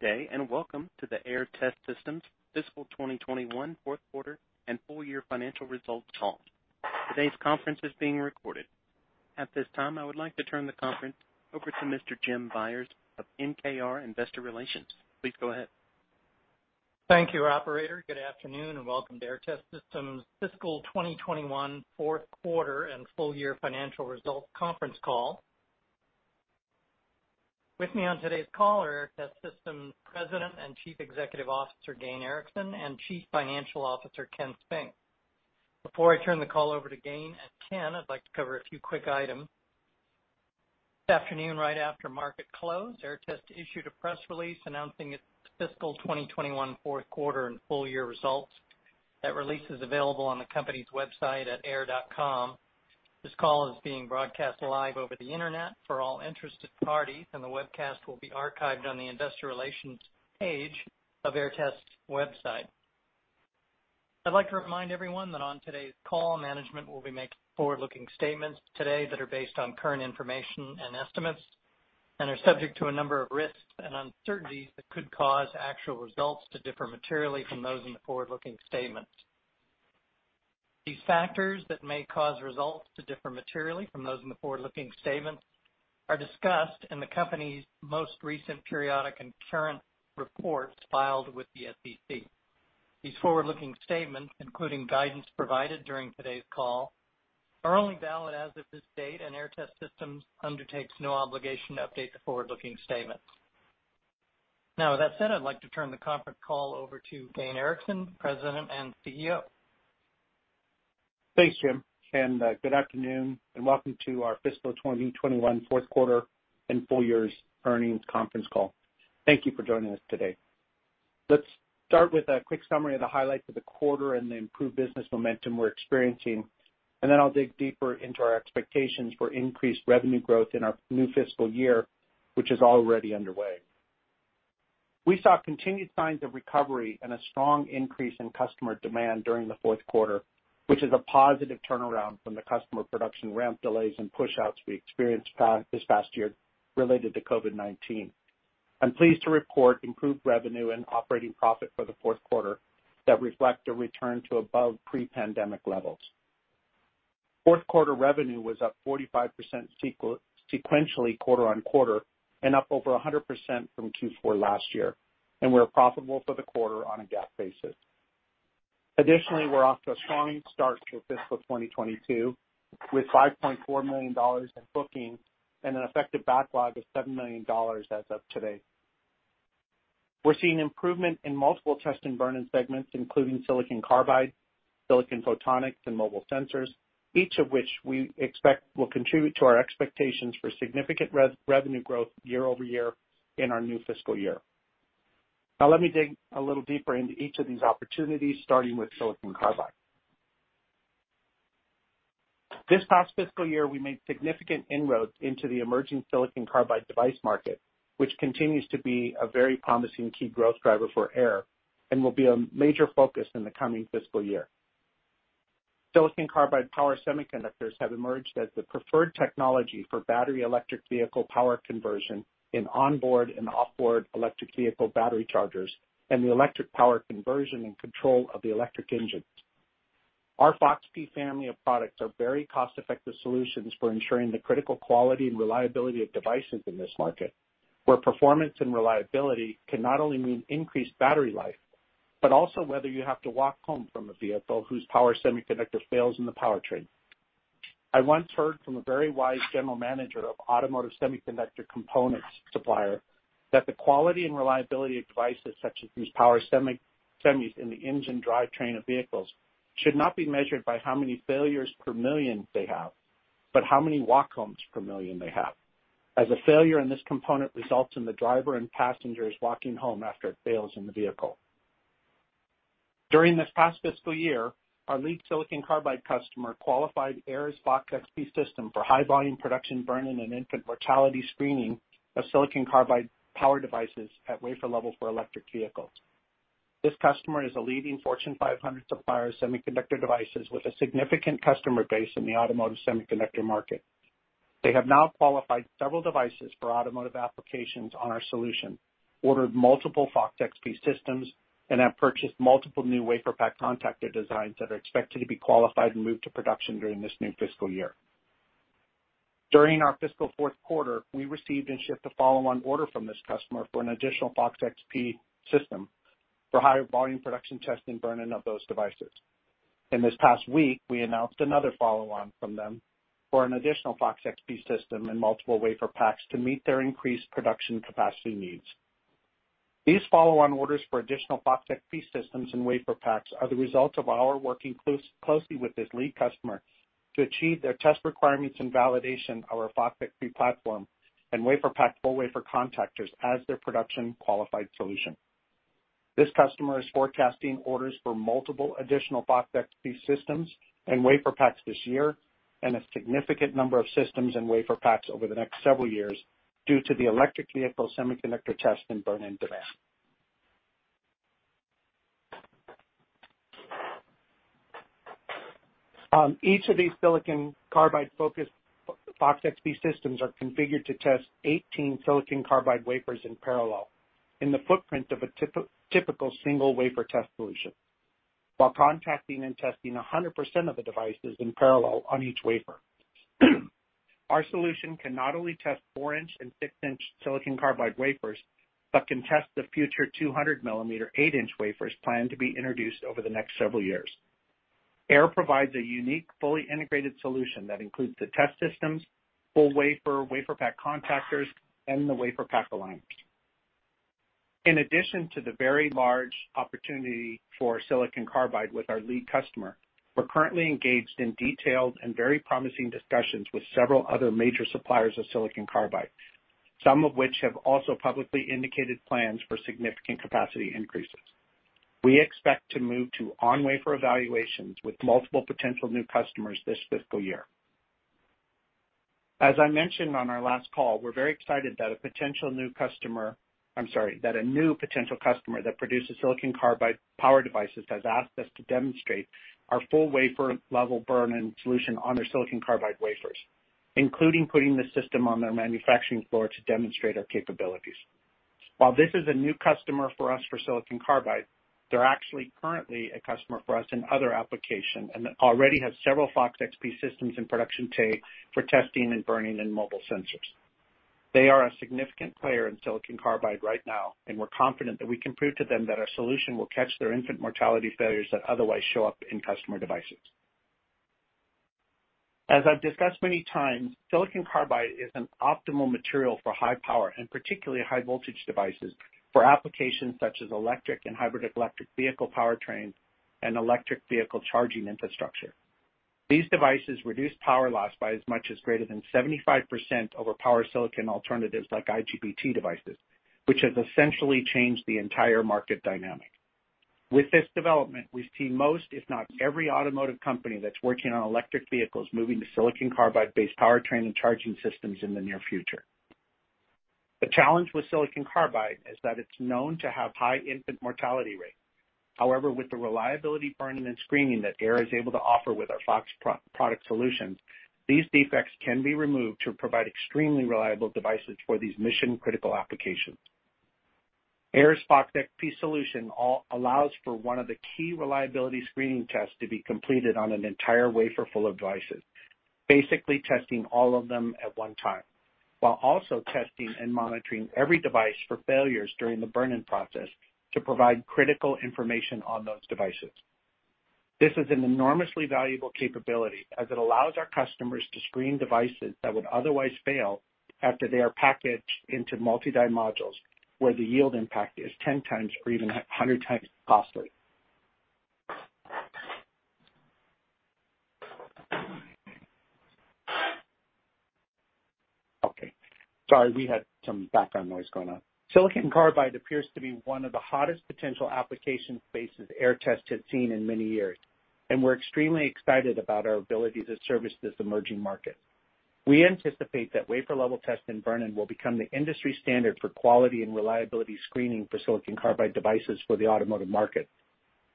Good day, and welcome to the Aehr Test Systems Fiscal 2021 fourth quarter and full year financial results call. Today's conference is being recorded. At this time, I would like to turn the conference over to Mr. Jim Byers of MKR Investor Relations. Please go ahead. Thank you, operator. Good afternoon, and welcome to Aehr Test Systems' Fiscal 2021 fourth quarter and full year financial results conference call. With me on today's call are Aehr Test Systems' President and Chief Executive Officer, Gayn Erickson, and Chief Financial Officer, Ken Spink. Before I turn the call over to Gayn and Ken, I'd like to cover a few quick items. This afternoon, right after market close, Aehr Test issued a press release announcing its Fiscal 2021 fourth quarter and full-year results. That release is available on the company's website at aehr.com. This call is being broadcast live over the internet for all interested parties, and the webcast will be archived on the investor relations page of Aehr Test's website. I'd like to remind everyone that on today's call, management will be making forward-looking statements today that are based on current information and estimates and are subject to a number of risks and uncertainties that could cause actual results to differ materially from those in the forward-looking statements. These factors that may cause results to differ materially from those in the forward-looking statements are discussed in the company's most recent periodic and current reports filed with the SEC. These forward-looking statements, including guidance provided during today's call, are only valid as of this date, and Aehr Test Systems undertakes no obligation to update the forward-looking statements. Now, with that said, I'd like to turn the conference call over to Gayn Erickson, President and CEO. Thanks, Jim, and good afternoon, and welcome to our fiscal 2021 fourth quarter and full year's earnings conference call. Thank you for joining us today. Let's start with a quick summary of the highlights of the quarter and the improved business momentum we're experiencing, and then I'll dig deeper into our expectations for increased revenue growth in our new fiscal year, which is already underway. We saw continued signs of recovery and a strong increase in customer demand during the fourth quarter, which is a positive turnaround from the customer production ramp delays and pushouts we experienced this past year related to COVID-19. I'm pleased to report improved revenue and operating profit for the fourth quarter that reflect a return to above pre-pandemic levels. Fourth quarter revenue was up 45% sequentially quarter-over-quarter and up over 100% from Q4 last year, and we were profitable for the quarter on a GAAP basis. Additionally, we're off to a strong start for fiscal 2022, with $5.4 million in bookings and an effective backlog of $7 million as of today. We're seeing improvement in multiple test and burn-in segments, including silicon carbide, silicon photonics, and mobile sensors, each of which we expect will contribute to our expectations for significant revenue growth year-over-year in our new fiscal year. Now, let me dig a little deeper into each of these opportunities, starting with silicon carbide. This past fiscal year, we made significant inroads into the emerging silicon carbide device market, which continues to be a very promising key growth driver for Aehr and will be a major focus in the coming fiscal year. Silicon carbide power semiconductors have emerged as the preferred technology for battery electric vehicle power conversion in onboard and off-board electric vehicle battery chargers and the electric power conversion and control of the electric engine. Our FOX-P family of products are very cost-effective solutions for ensuring the critical quality and reliability of devices in this market, where performance and reliability can not only mean increased battery life, but also whether you have to walk home from a vehicle whose power semiconductor fails in the powertrain. I once heard from a very wise general manager of automotive semiconductor components supplier that the quality and reliability of devices such as these power semis in the engine drivetrain of vehicles should not be measured by how many failures per million they have, but how many walk homes per million they have. As a failure in this component results in the driver and passengers walking home after it fails in the vehicle. During this past fiscal year, our lead silicon carbide customer qualified Aehr's FOX-P system for high-volume production burn-in and infant mortality screening of silicon carbide power devices at wafer level for electric vehicles. This customer is a leading Fortune 500 supplier of semiconductor devices with a significant customer base in the automotive semiconductor market. They have now qualified several devices for automotive applications on our solution, ordered multiple FOX-P systems, and have purchased multiple new WaferPak contactor designs that are expected to be qualified and move to production during this new fiscal year. During our fiscal fourth quarter, we received and shipped a follow-on order from this customer for an additional FOX-P system for higher volume production test and burn-in of those devices. In this past week, we announced another follow-on from them for an additional FOX-P system and multiple WaferPaks to meet their increased production capacity needs. These follow-on orders for additional FOX-P systems and WaferPaks are the result of our working closely with this lead customer to achieve their test requirements and validation of our FOX-P platform and WaferPak full wafer contactors as their production-qualified solution. This customer is forecasting orders for multiple additional FOX-P systems and WaferPaks this year and a significant number of systems and WaferPaks over the next several years due to the electric vehicle semiconductor test and burn-in demand. Each of these silicon carbide-focused FOX-XP systems are configured to test 18 silicon carbide wafers in parallel in the footprint of a typical single wafer test solution while contacting and testing 100% of the devices in parallel on each wafer. Our solution can not only test 4-inch and 6-inch silicon carbide wafers but can test the future 200-millimeter 8-inch wafers planned to be introduced over the next several years. Aehr provides a unique, fully integrated solution that includes the test systems, full wafer, WaferPak contactors, and the WaferPak aligners. In addition to the very large opportunity for silicon carbide with our lead customer, we're currently engaged in detailed and very promising discussions with several other major suppliers of silicon carbide, some of which have also publicly indicated plans for significant capacity increases. We expect to move to on-wafer evaluations with multiple potential new customers this fiscal year. As I mentioned on our last call, we're very excited that a new potential customer that produces silicon carbide power devices has asked us to demonstrate our full wafer level burn-in solution on their silicon carbide wafers, including putting the system on their manufacturing floor to demonstrate our capabilities. While this is a new customer for us for silicon carbide, they're actually currently a customer for us in other application and already have several FOX-XP systems in production for testing and burning in mobile sensors. They are a significant player in silicon carbide right now, we're confident that we can prove to them that our solution will catch their infant mortality failures that otherwise show up in customer devices. As I've discussed many times, silicon carbide is an optimal material for high power and particularly high-voltage devices for applications such as electric and hybrid electric vehicle powertrains and electric vehicle charging infrastructure. These devices reduce power loss by as much as greater than 75% over power silicon alternatives like IGBT devices, which has essentially changed the entire market dynamic. With this development, we've seen most, if not every automotive company that's working on electric vehicles moving to silicon carbide-based powertrain and charging systems in the near future. The challenge with silicon carbide is that it's known to have high infant mortality rate. However, with the reliability burn-in and screening that Aehr is able to offer with our FOX product solutions, these defects can be removed to provide extremely reliable devices for these mission-critical applications. Aehr's FOX-XP solution allows for one of the key reliability screening tests to be completed on an entire wafer full of devices, basically testing all of them at one time, while also testing and monitoring every device for failures during the burn-in process to provide critical information on those devices. This is an enormously valuable capability as it allows our customers to screen devices that would otherwise fail after they are packaged into multi-die modules, where the yield impact is 10 times or even 100 times costly. Okay. Sorry, we had some background noise going on. Silicon carbide appears to be one of the hottest potential application spaces Aehr Test Systems has seen in many years, and we are extremely excited about our ability to service this emerging market. We anticipate that wafer level test and burn-in will become the industry standard for quality and reliability screening for silicon carbide devices for the automotive market.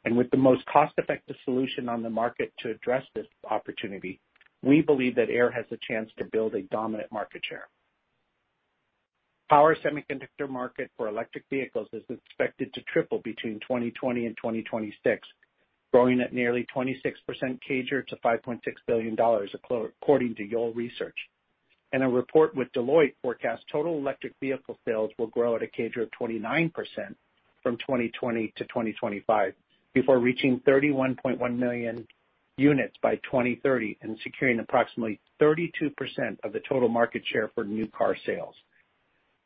With the most cost-effective solution on the market to address this opportunity, we believe that Aehr has the chance to build a dominant market share. Power semiconductor market for electric vehicles is expected to triple between 2020 and 2026, growing at nearly 26% CAGR to $5.6 billion, according to Yole research. A report with Deloitte forecasts total electric vehicle sales will grow at a CAGR of 29% from 2020 to 2025 before reaching 31.1 million units by 2030 and securing approximately 32% of the total market share for new car sales.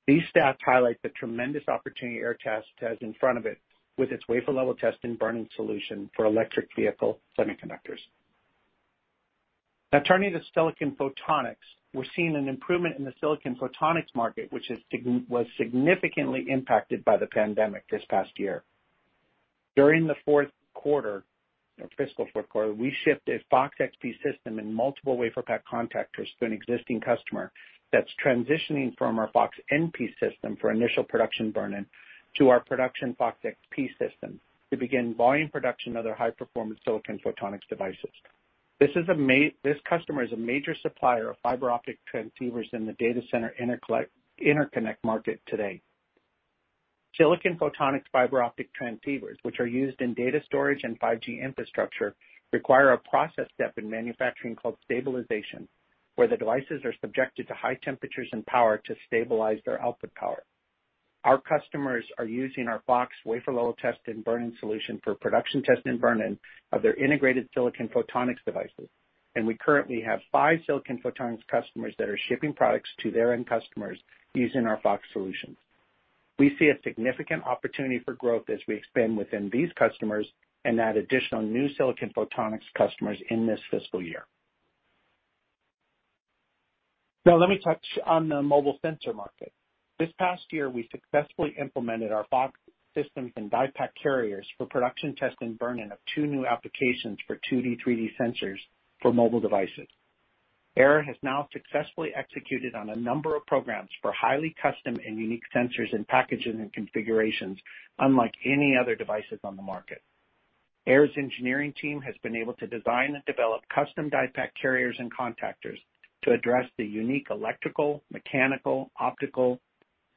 These stats highlight the tremendous opportunity Aehr Test Systems has in front of it with its wafer-level test and burn-in solution for electric vehicle semiconductors. Now turning to silicon photonics. We're seeing an improvement in the silicon photonics market, which was significantly impacted by the pandemic this past year. During the fourth quarter, fiscal fourth quarter, we shipped a FOX-XP system and multiple WaferPak contactors to an existing customer that's transitioning from our FOX-NP system for initial production burn-in to our production FOX-XP system to begin volume production of their high-performance silicon photonics devices. This customer is a major supplier of fiber optic transceivers in the data center interconnect market today. Silicon photonics fiber optic transceivers, which are used in data storage and 5G infrastructure, require a process step in manufacturing called stabilization, where the devices are subjected to high temperatures and power to stabilize their output power. Our customers are using our FOX wafer-level test and burn-in solution for production test and burn-in of their integrated silicon photonics devices, and we currently have five silicon photonics customers that are shipping products to their end customers using our FOX solutions. We see a significant opportunity for growth as we expand within these customers and add additional new silicon photonics customers in this fiscal year. Now let me touch on the mobile sensor market. This past year, we successfully implemented our FOX systems and DiePak carriers for production test and burn-in of two new applications for 2D, 3D sensors for mobile devices. Aehr has now successfully executed on a number of programs for highly custom and unique sensors and packaging and configurations unlike any other devices on the market. Aehr's engineering team has been able to design and develop custom DiePak carriers and contactors to address the unique electrical, mechanical, optical,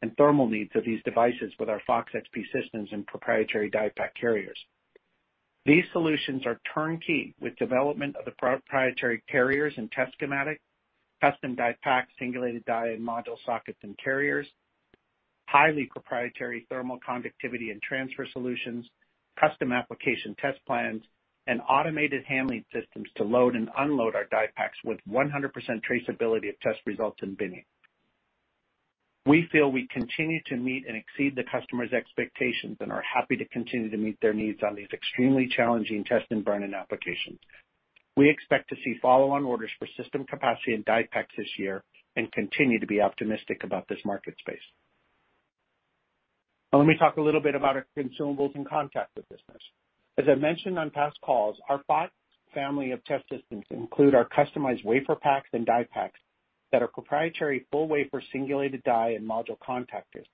and thermal needs of these devices with our FOX-XP systems and proprietary DiePak carriers. These solutions are turnkey with development of the proprietary carriers and test schematic, custom DiePak singulated die and module sockets and carriers, highly proprietary thermal conductivity and transfer solutions, custom application test plans, and automated handling systems to load and unload our DiePaks with 100% traceability of test results and binning. We feel we continue to meet and exceed the customer's expectations and are happy to continue to meet their needs on these extremely challenging test and burn-in applications. We expect to see follow-on orders for system capacity and DiePaks this year and continue to be optimistic about this market space. Let me talk a little bit about our consumables and contactor business. As I mentioned on past calls, our FOX family of test systems include our customized WaferPaks and DiePaks that are proprietary full wafer singulated die and module contactors,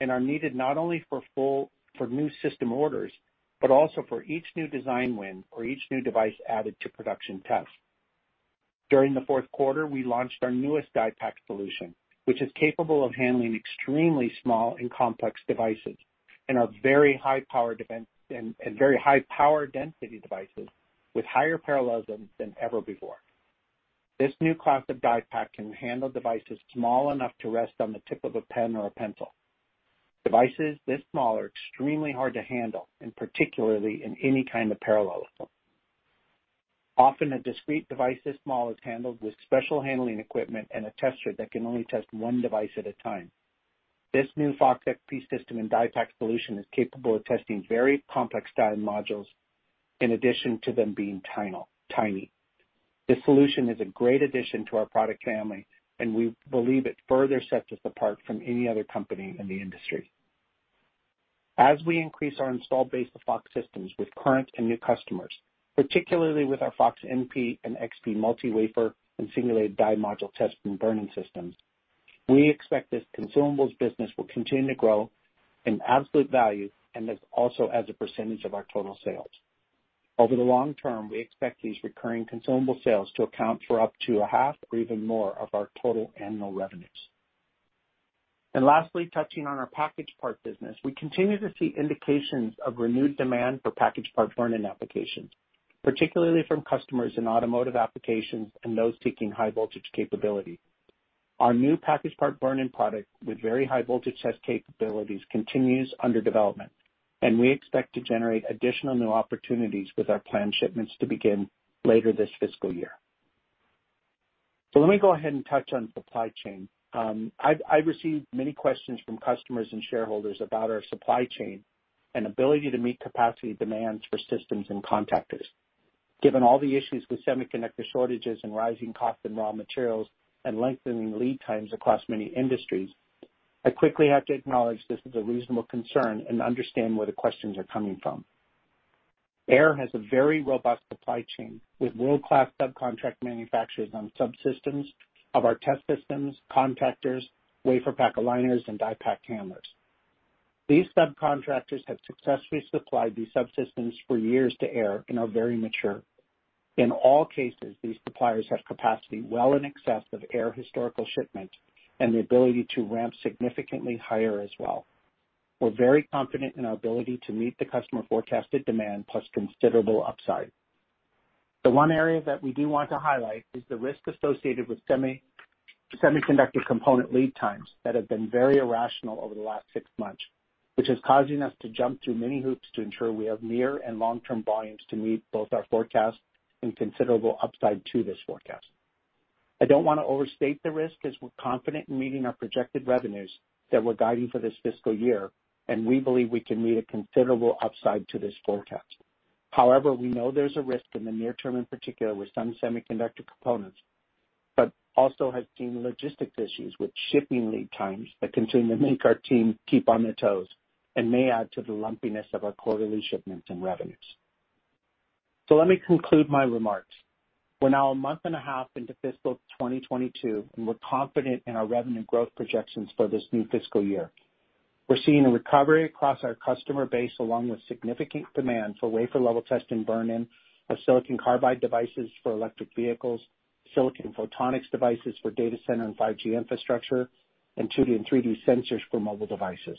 and are needed not only for new system orders, but also for each new design win or each new device added to production test. During the 4th quarter, we launched our newest DiePak solution, which is capable of handling extremely small and complex devices and very high-power density devices with higher parallelism than ever before. This new class of DiePak can handle devices small enough to rest on the tip of a pen or a pencil. Devices this small are extremely hard to handle, and particularly in any kind of parallelism. Often, a discrete device this small is handled with special handling equipment and a tester that can only test one device at a time. This new FOX-XP system and DiePak solution is capable of testing very complex die modules in addition to them being tiny. This solution is a great addition to our product family, and we believe it further sets us apart from any other company in the industry. As we increase our installed base of FOX systems with current and new customers, particularly with our FOX-NP and FOX-XP multi-wafer and singulated die/module test and burn-in systems, we expect this consumables business will continue to grow in absolute value and also as a percent of our total sales. Over the long term, we expect these recurring consumable sales to account for up to a half or even more of our total annual revenues. Lastly, touching on our package part business, we continue to see indications of renewed demand for package part burn-in applications, particularly from customers in automotive applications and those seeking high-voltage capability. Our new package part burn-in product with very high voltage test capabilities continues under development. We expect to generate additional new opportunities with our planned shipments to begin later this fiscal year. Let me go ahead and touch on supply chain. I've received many questions from customers and shareholders about our supply chain and ability to meet capacity demands for systems and contactors. Given all the issues with semiconductor shortages and rising cost in raw materials and lengthening lead times across many industries, I quickly have to acknowledge this is a reasonable concern and understand where the questions are coming from. Aehr has a very robust supply chain with world-class subcontract manufacturers on subsystems of our test systems, contactors, WaferPak aligners, and DiePak handlers. These subcontractors have successfully supplied these subsystems for years to Aehr and are very mature. In all cases, these suppliers have capacity well in excess of Aehr historical shipment and the ability to ramp significantly higher as well. We're very confident in our ability to meet the customer forecasted demand plus considerable upside. The one area that we do want to highlight is the risk associated with semiconductor component lead times that have been very irrational over the last 6 months, which is causing us to jump through many hoops to ensure we have near and long-term volumes to meet both our forecast and considerable upside to this forecast. I don't want to overstate the risk, as we're confident in meeting our projected revenues that we're guiding for this fiscal year, and we believe we can meet a considerable upside to this forecast. We know there's a risk in the near term, in particular with some semiconductor components, but also have seen logistics issues with shipping lead times that continue to make our team keep on their toes and may add to the lumpiness of our quarterly shipments and revenues. Let me conclude my remarks. We're now a month and a half into fiscal 2022, and we're confident in our revenue growth projections for this new fiscal year. We're seeing a recovery across our customer base, along with significant demand for wafer-level test and burn-in of silicon carbide devices for electric vehicles, silicon photonics devices for data center and 5G infrastructure, and 2D and 3D sensors for mobile devices.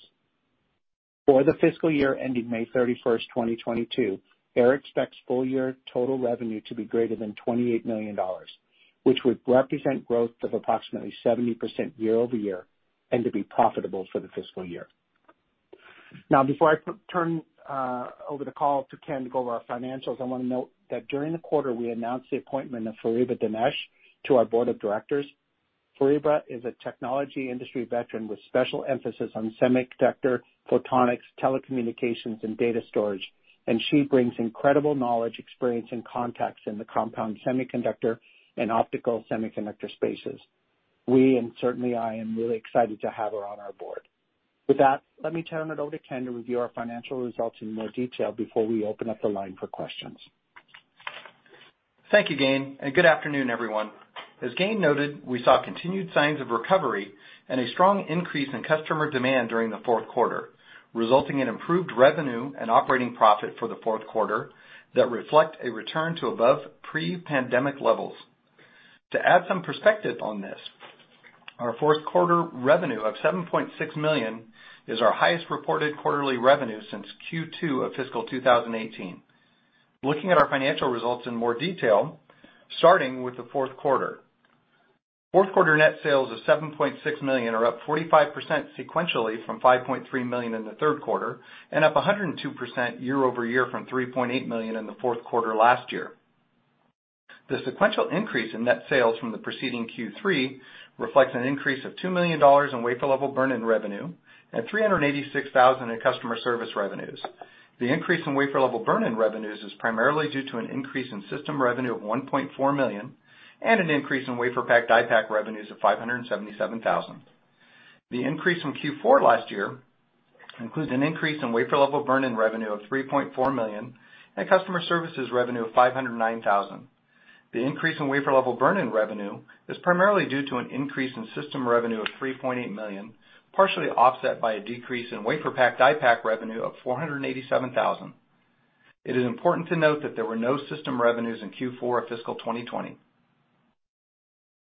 For the fiscal year ending May 31st, 2022, Aehr expects full-year total revenue to be greater than $28 million, which would represent growth of approximately 70% year-over-year, and to be profitable for the fiscal year. Before I turn over the call to Ken to go over our financials, I want to note that during the quarter, we announced the appointment of Fariba Danesh to our board of directors. Fariba is a technology industry veteran with special emphasis on semiconductor, photonics, telecommunications, and data storage, and she brings incredible knowledge, experience, and contacts in the compound semiconductor and optical semiconductor spaces. We, and certainly I, am really excited to have her on our board. With that, let me turn it over to Ken to review our financial results in more detail before we open up the line for questions. Thank you, Gayn. Good afternoon, everyone. As Gayn noted, we saw continued signs of recovery and a strong increase in customer demand during the fourth quarter, resulting in improved revenue and operating profit for the fourth quarter that reflect a return to above pre-pandemic levels. To add some perspective on this, our fourth quarter revenue of $7.6 million is our highest reported quarterly revenue since Q2 of fiscal 2018. Looking at our financial results in more detail, starting with the fourth quarter. Fourth quarter net sales of $7.6 million are up 45% sequentially from $5.3 million in the third quarter, and up 102% year-over-year from $3.8 million in the fourth quarter last year. The sequential increase in net sales from the preceding Q3 reflects an increase of $2 million in wafer level burn-in revenue and $386,000 in customer service revenues. The increase in wafer level burn-in revenues is primarily due to an increase in system revenue of $1.4 million and an increase in WaferPak/DiePak revenues of $577,000. The increase from Q4 last year includes an increase in wafer level burn-in revenue of $3.4 million and customer services revenue of $509,000. The increase in wafer level burn-in revenue is primarily due to an increase in system revenue of $3.8 million, partially offset by a decrease in WaferPak/DiePak revenue of $487,000. It is important to note that there were no system revenues in Q4 of fiscal 2020.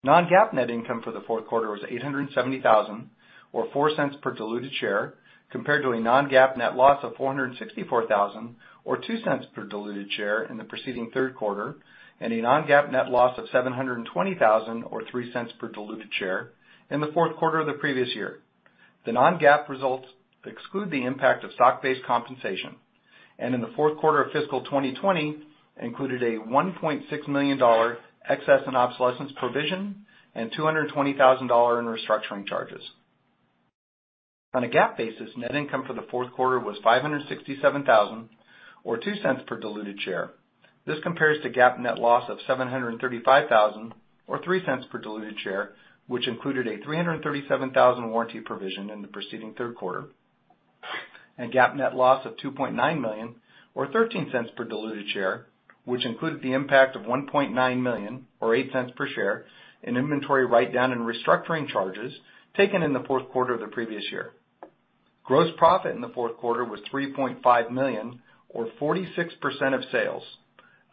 Non-GAAP net income for the fourth quarter was $870,000 or $0.04 per diluted share, compared to a non-GAAP net loss of $464,000 or $0.02 per diluted share in the preceding third quarter, and a non-GAAP net loss of $720,000 or $0.03 per diluted share in the fourth quarter of the previous year. The non-GAAP results exclude the impact of stock-based compensation, and in the fourth quarter of fiscal 2020 included a $1.6 million excess and obsolescence provision and $220,000 in restructuring charges. On a GAAP basis, net income for the fourth quarter was $567,000 or $0.02 per diluted share. This compares to GAAP net loss of $735,000 or $0.03 per diluted share, which included a $337,000 warranty provision in the preceding third quarter, and GAAP net loss of $2.9 million or $0.13 per diluted share, which included the impact of $1.9 million or $0.08 per share in inventory write-down and restructuring charges taken in the fourth quarter of the previous year. Gross profit in the fourth quarter was $3.5 million or 46% of sales,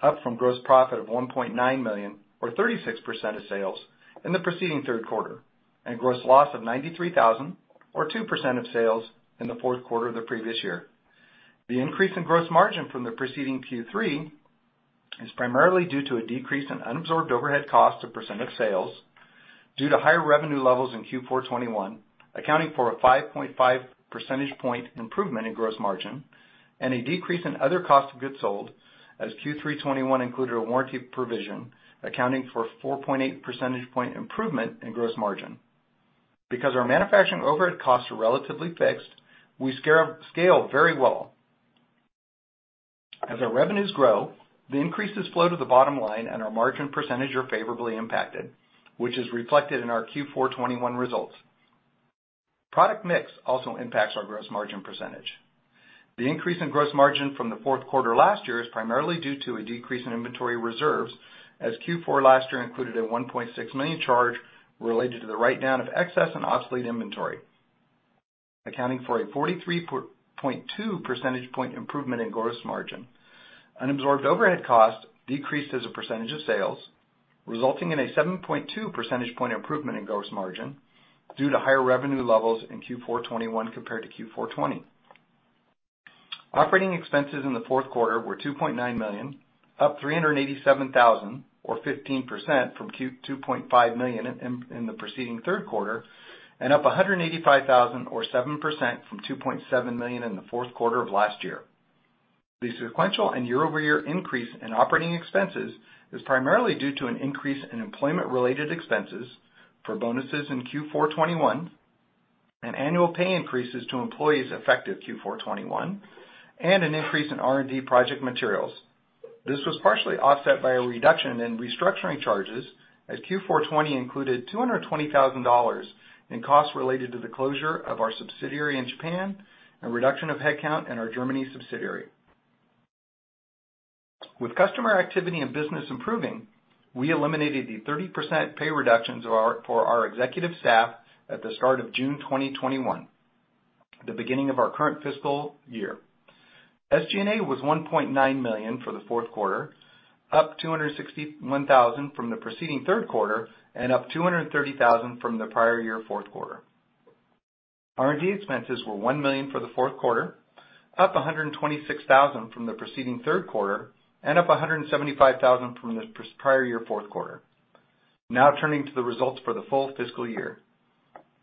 up from gross profit of $1.9 million or 36% of sales in the preceding third quarter, and gross loss of $93,000 or 2% of sales in the fourth quarter of the previous year. The increase in gross margin from the preceding Q3 is primarily due to a decrease in unabsorbed overhead cost to percent of sales due to higher revenue levels in Q4 2021, accounting for a 5.5 percentage point improvement in gross margin and a decrease in other cost of goods sold as Q3 2021 included a warranty provision accounting for 4.8 percentage point improvement in gross margin. Because our manufacturing overhead costs are relatively fixed, we scale very well. As our revenues grow, the increases flow to the bottom line and our margin percentage are favorably impacted, which is reflected in our Q4 2021 results. Product mix also impacts our gross margin percentage. The increase in gross margin from the fourth quarter last year is primarily due to a decrease in inventory reserves, as Q4 last year included a $1.6 million charge related to the write-down of excess and obsolete inventory, accounting for a 43.2 percentage point improvement in gross margin. Unabsorbed overhead cost decreased as a percentage of sales, resulting in a 7.2 percentage point improvement in gross margin due to higher revenue levels in Q4 2021 compared to Q4 2020. Operating expenses in the fourth quarter were $2.9 million, up $387,000 or 15% from $2.5 million in the preceding third quarter, and up $185,000 or 7% from $2.7 million in the fourth quarter of last year. The sequential and year-over-year increase in operating expenses is primarily due to an increase in employment-related expenses for bonuses in Q4 2021 and annual pay increases to employees effective Q4 2021, and an increase in R&D project materials. This was partially offset by a reduction in restructuring charges as Q4 2020 included $220,000 in costs related to the closure of our subsidiary in Japan and reduction of headcount in our Germany subsidiary. With customer activity and business improving, we eliminated the 30% pay reductions for our executive staff at the start of June 2021, the beginning of our current fiscal year. SG&A was $1.9 million for the fourth quarter, up $261,000 from the preceding third quarter and up $230,000 from the prior year fourth quarter. R&D expenses were $1 million for the fourth quarter, up $126,000 from the preceding third quarter and up $175,000 from the prior year fourth quarter. Now turning to the results for the full fiscal year.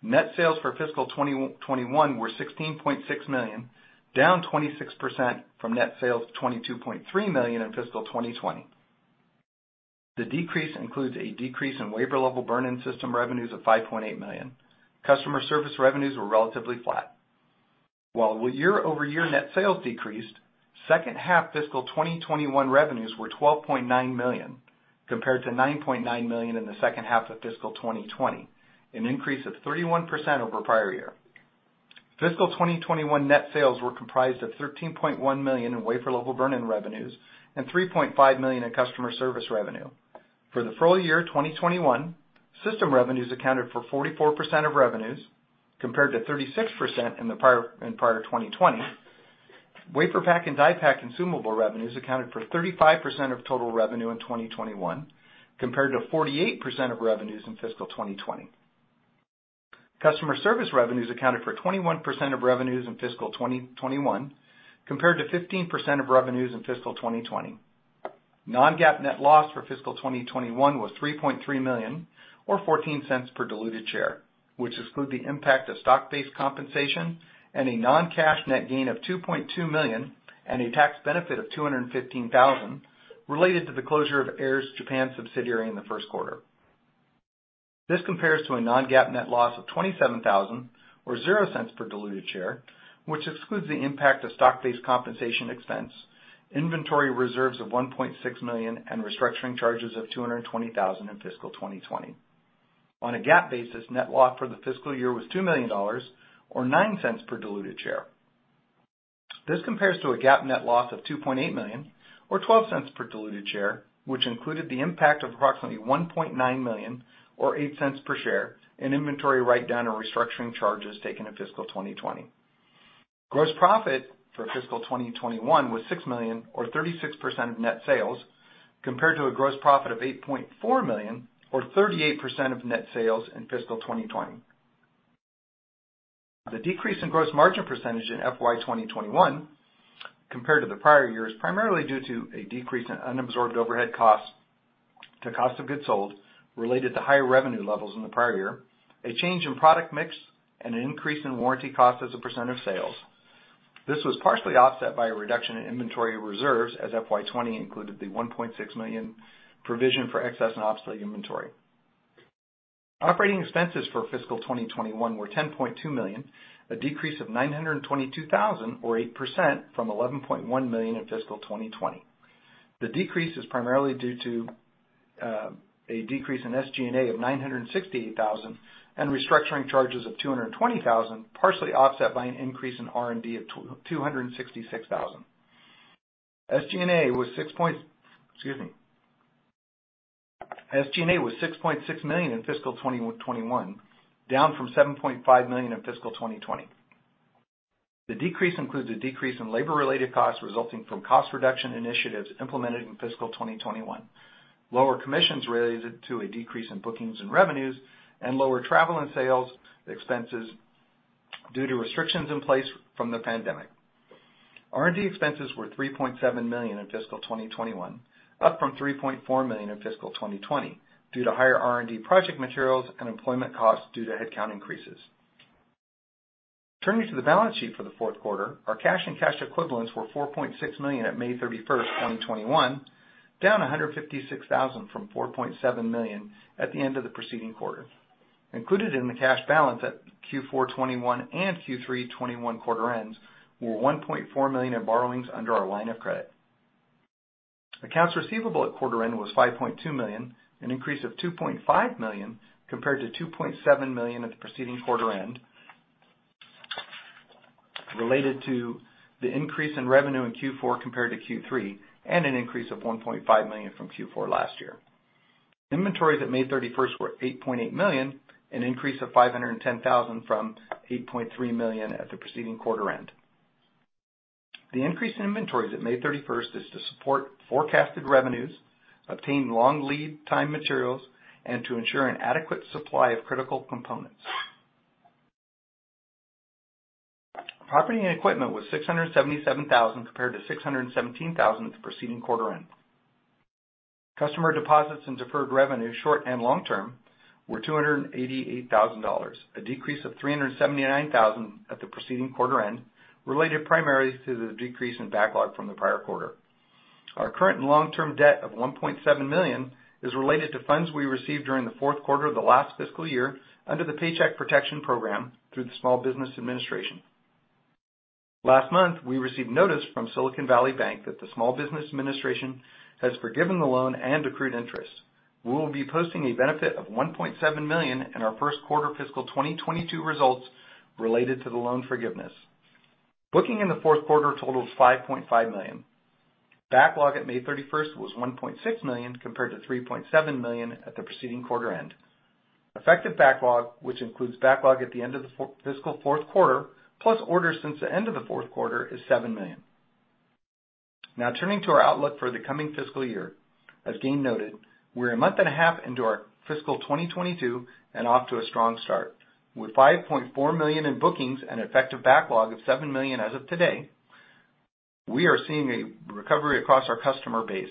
Net sales for fiscal 2021 were $16.6 million, down 26% from net sales of $22.3 million in fiscal 2020. The decrease includes a decrease in wafer-level burn-in system revenues of $5.8 million. Customer service revenues were relatively flat. While year-over-year net sales decreased, second half fiscal 2021 revenues were $12.9 million, compared to $9.9 million in the second half of fiscal 2020, an increase of 31% over prior year. Fiscal 2021 net sales were comprised of $13.1 million in wafer-level burn-in revenues and $3.5 million in customer service revenue. For the full year 2021, system revenues accounted for 44% of revenues, compared to 36% in prior 2020. WaferPak and DiePak consumable revenues accounted for 35% of total revenue in 2021, compared to 48% of revenues in fiscal 2020. Customer service revenues accounted for 21% of revenues in fiscal 2021, compared to 15% of revenues in fiscal 2020. Non-GAAP net loss for fiscal 2021 was $3.3 million, or $0.14 per diluted share, which exclude the impact of stock-based compensation and a non-cash net gain of $2.2 million and a tax benefit of $215,000 related to the closure of Aehr's Japan subsidiary in the first quarter. This compares to a non-GAAP net loss of $27,000, or $0.00 per diluted share, which excludes the impact of stock-based compensation expense, inventory reserves of $1.6 million, and restructuring charges of $220,000 in fiscal 2020. On a GAAP basis, net loss for the fiscal year was $2 million, or $0.09 per diluted share. This compares to a GAAP net loss of $2.8 million, or $0.12 per diluted share, which included the impact of approximately $1.9 million, or $0.08 per share, in inventory write-down and restructuring charges taken in fiscal 2020. Gross profit for fiscal 2021 was $6 million, or 36% of net sales, compared to a gross profit of $8.4 million, or 38% of net sales in fiscal 2020. The decrease in gross margin percentage in FY 2021 compared to the prior year is primarily due to a decrease in unabsorbed overhead cost to cost of goods sold related to higher revenue levels in the prior year, a change in product mix, and an increase in warranty cost as a % of sales. This was partially offset by a reduction in inventory reserves, as FY 2020 included the $1.6 million provision for excess and obsolete inventory. Operating expenses for fiscal 2021 were $10.2 million, a decrease of $922,000, or 8%, from $11.1 million in fiscal 2020. The decrease is primarily due to a decrease in SG&A of $968,000 and restructuring charges of $220,000, partially offset by an increase in R&D of $266,000. SG&A was $6.6 million in fiscal 2021, down from $7.5 million in fiscal 2020. The decrease includes a decrease in labor related costs resulting from cost reduction initiatives implemented in fiscal 2021, lower commissions related to a decrease in bookings and revenues, and lower travel and sales expenses due to restrictions in place from the pandemic. R&D expenses were $3.7 million in fiscal 2021, up from $3.4 million in fiscal 2020 due to higher R&D project materials and employment costs due to headcount increases. Turning to the balance sheet for the fourth quarter, our cash and cash equivalents were $4.6 million at May 31st, 2021, down $156,000 from $4.7 million at the end of the preceding quarter. Included in the cash balance at Q4 2021 and Q3 2021 quarter ends were $1.4 million in borrowings under our line of credit. Accounts receivable at quarter end was $5.2 million, an increase of $2.5 million, compared to $2.7 million at the preceding quarter end, related to the increase in revenue in Q4 compared to Q3, and an increase of $1.5 million from Q4 last year. Inventories at May 31st were $8.8 million, an increase of $510,000 from $8.3 million at the preceding quarter end. The increase in inventories at May 31st is to support forecasted revenues, obtain long lead time materials, and to ensure an adequate supply of critical components. Property and equipment was $677,000, compared to $617,000 at the preceding quarter end. Customer deposits and deferred revenue, short and long-term, were $288,000, a decrease of $379,000 at the preceding quarter end, related primarily to the decrease in backlog from the prior quarter. Our current and long-term debt of $1.7 million is related to funds we received during the fourth quarter of the last fiscal year under the Paycheck Protection Program through the Small Business Administration. Last month, we received notice from Silicon Valley Bank that the Small Business Administration has forgiven the loan and accrued interest. We will be posting a benefit of $1.7 million in our first quarter fiscal 2022 results related to the loan forgiveness. Booking in the fourth quarter totals $5.5 million. Backlog at May 31st was $1.6 million, compared to $3.7 million at the preceding quarter end. Effective backlog, which includes backlog at the end of the fiscal fourth quarter, plus orders since the end of the fourth quarter, is $7 million. Turning to our outlook for the coming fiscal year. As Gayn noted, we're a month and a half into our fiscal 2022, and off to a strong start. With $5.4 million in bookings and effective backlog of $7 million as of today, we are seeing a recovery across our customer base,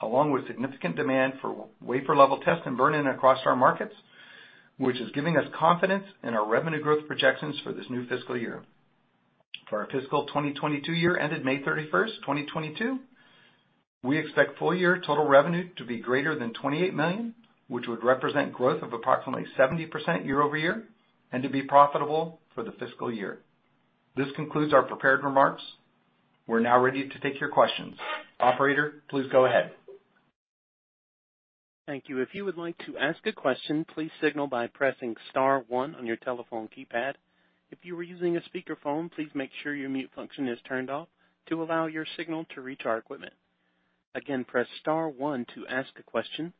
along with significant demand for wafer-level test and burn-in across our markets, which is giving us confidence in our revenue growth projections for this new fiscal year. For our fiscal 2022 year ended May 31st, 2022 We expect full year total revenue to be greater than $28 million, which would represent growth of approximately 70% year-over-year, and to be profitable for the fiscal year. This concludes our prepared remarks. We are now ready to take your questions. Operator, please go ahead. Thank you. If you would like to ask a question, please signal by pressing star one on your telephone keypad. If you are using a speakerphone, please make sure your mute function is turned off to allow your signal to reach our equipment. Again, press star one to ask a question.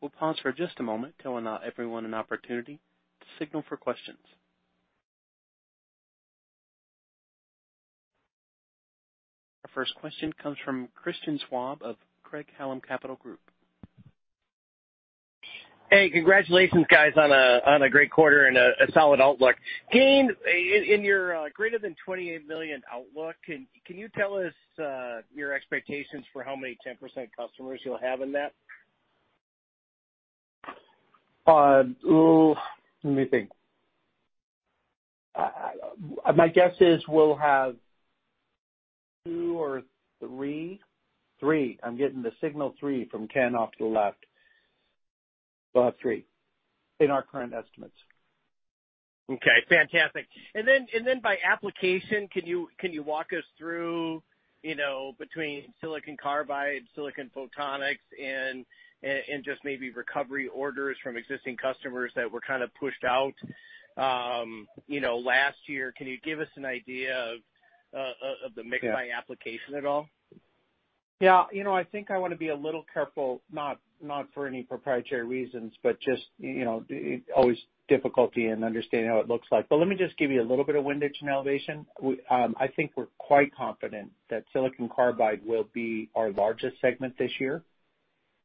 We'll pause for just a moment to allow everyone an opportunity to signal for questions. Our first question comes from Christian Schwab of Craig-Hallum Capital Group. Hey, congratulations, guys, on a great quarter and a solid outlook. Gayn, in your greater than $28 million outlook, can you tell us your expectations for how many 10% customers you'll have in that? Let me think. My guess is we'll have two or three.. Three. I'm getting the signal three from Ken off to the left. We'll have three in our current estimates. Okay, fantastic. By application, can you walk us through, between silicon carbide, silicon photonics, and just maybe recovery orders from existing customers that were kind of pushed out last year, can you give us an idea of the mix? Yeah by application at all? I think I want to be a little careful, not for any proprietary reasons, but just, always difficulty in understanding how it looks like. Let me just give you a little bit of windage and elevation. I think we're quite confident that silicon carbide will be our largest segment this year.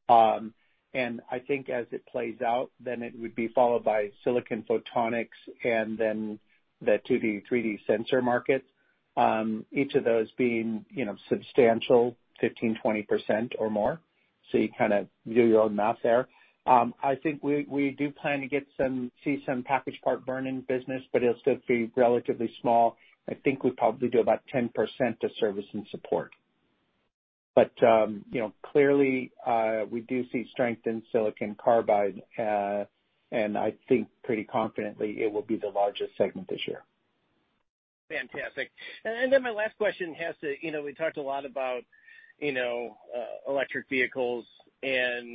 I think as it plays out, then it would be followed by silicon photonics and then the 2D, 3D sensor market, each of those being substantial, 15%-20% or more. You kind of do your own math there. I think we do plan to see some package part burn-in business, but it'll still be relatively small. I think we probably do about 10% to service and support. Clearly, we do see strength in silicon carbide. I think pretty confidently it will be the largest segment this year. Fantastic. My last question has to, we talked a lot about electric vehicles, have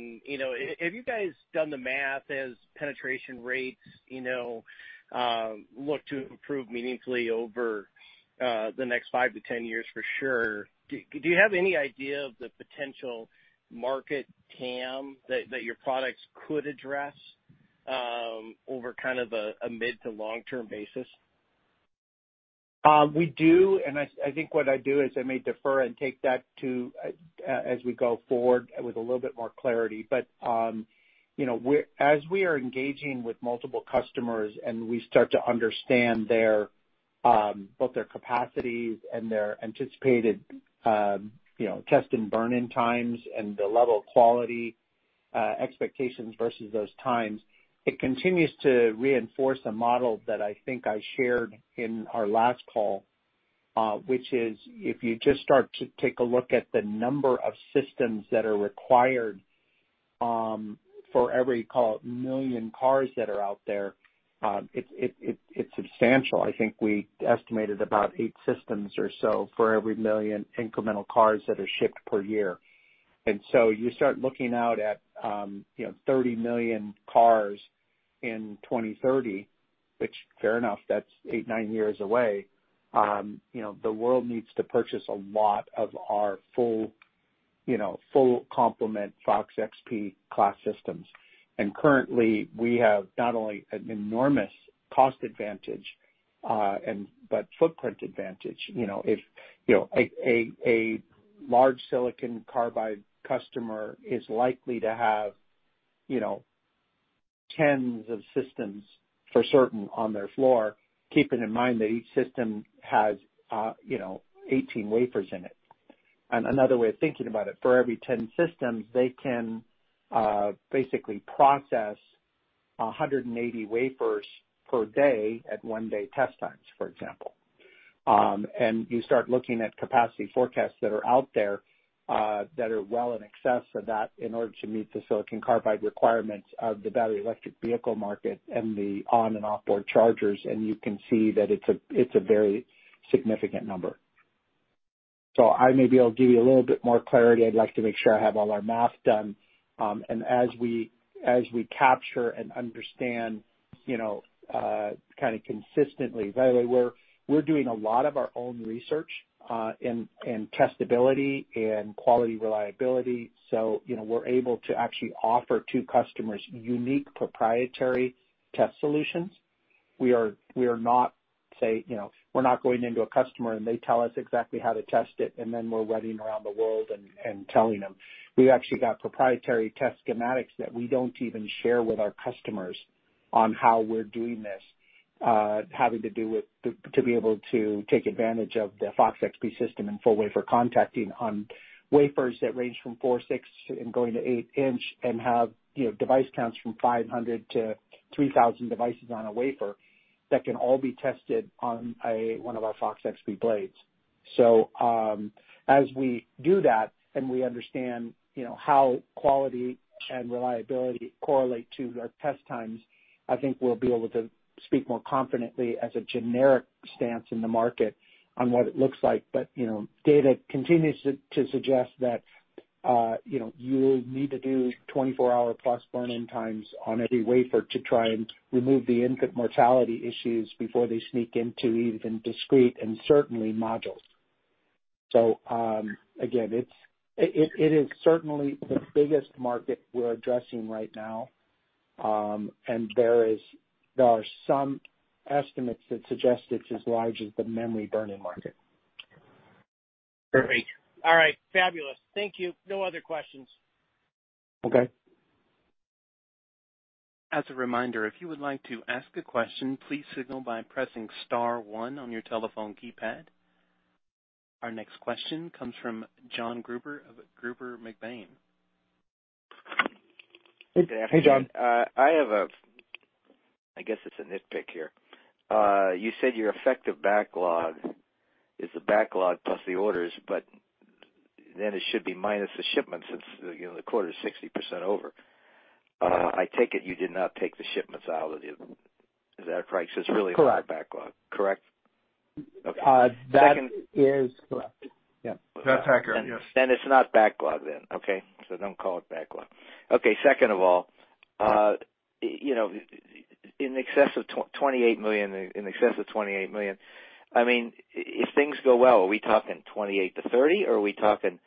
you guys done the math as penetration rates look to improve meaningfully over the next five-10 years for sure. Do you have any idea of the potential market TAM that your products could address, over kind of a mid to long-term basis? We do, and I think what I do is I may defer and take that to, as we go forward with a little bit more clarity. As we are engaging with multiple customers and we start to understand both their capacities and their anticipated test and burn-in times and the level of quality, expectations versus those times, it continues to reinforce a model that I think I shared in our last call, which is, if you just start to take a look at the number of systems that are required for every, call it, one million cars that are out there, it's substantial. I think we estimated about eight systems or so for every one million incremental cars that are shipped per year. You start looking out at 30 million cars in 2030, which fair enough, that's eight, nine years away. The world needs to purchase a lot of our full complement FOX-XP class systems. Currently, we have not only an enormous cost advantage, but footprint advantage. A large silicon carbide customer is likely to have tens of systems for certain on their floor, keeping in mind that each system has 18 wafers in it. Another way of thinking about it, for every 10 systems, they can basically process 180 wafers per day at one-day test times, for example. You start looking at capacity forecasts that are out there, that are well in excess of that in order to meet the silicon carbide requirements of the battery electric vehicle market and the on and off-board chargers, and you can see that it's a very significant number. I may be able to give you a little bit more clarity. I'd like to make sure I have all our math done. As we capture and understand kind of consistently, by the way, we're doing a lot of our own research, and testability and quality reliability. We're able to actually offer to customers unique proprietary test solutions. We're not going into a customer, and they tell us exactly how to test it, and then we're running around the world and telling them. We actually got proprietary test schematics that we don't even share with our customers on how we're doing this, having to do with, to be able to take advantage of the FOX-XP system in full wafer contacting on wafers that range from four, six, and going to eight inch and have device counts from 500 to 3,000 devices on a wafer that can all be tested on one of our FOX-XP blades. As we do that and we understand how quality and reliability correlate to our test times, I think we'll be able to speak more confidently as a generic stance in the market on what it looks like. Data continues to suggest that you'll need to do 24-hour+ burn-in times on every wafer to try and remove the infant mortality issues before they sneak into even discrete and certainly modules. Again, it is certainly the biggest market we're addressing right now. There are some estimates that suggest it's as large as the memory burn-in market. Perfect. All right. Fabulous. Thank you. No other questions. Okay. As a reminder, if you would like to ask a question, please signal by pressing star one on your telephone keypad. Our next question comes from Jon Gruber of Gruber & McBaine. Hey, Gayn. Hey, Jon. I have, I guess it's a nitpick here. You said your effective backlog is the backlog plus the orders, it should be minus the shipments since the quarter is 60% over. I take it you did not take the shipments. Is that right? Correct. It's really backlog, correct? Okay. That is correct, yep. That's accurate, yes. It's not backlog then, okay? Don't call it backlog. Okay. Second of all, in excess of $28 million, if things go well, are we talking $28 million-$30 million, or are we talking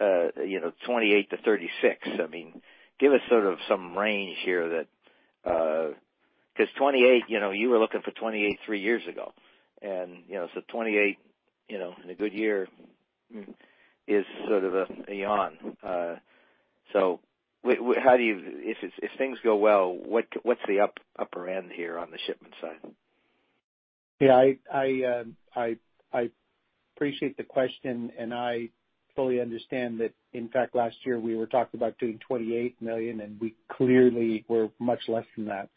$28 million-$36 million? Give us sort of some range here that you were looking for $28 million three years ago, $28 million in a good year is sort of a yawn. If things go well, what's the upper end here on the shipment side? I appreciate the question, and I fully understand that, in fact, last year we were talking about doing $28 million, and we clearly were much less than that.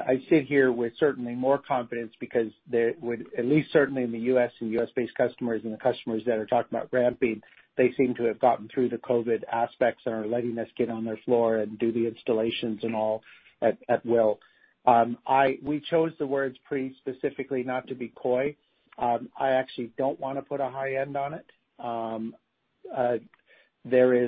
I sit here with certainly more confidence because there would, at least certainly in the U.S. and U.S.-based customers and the customers that are talking about ramping, they seem to have gotten through the COVID aspects and are letting us get on their floor and do the installations and all at will. We chose the words pretty specifically not to be coy. I actually don't want to put a high end on it. There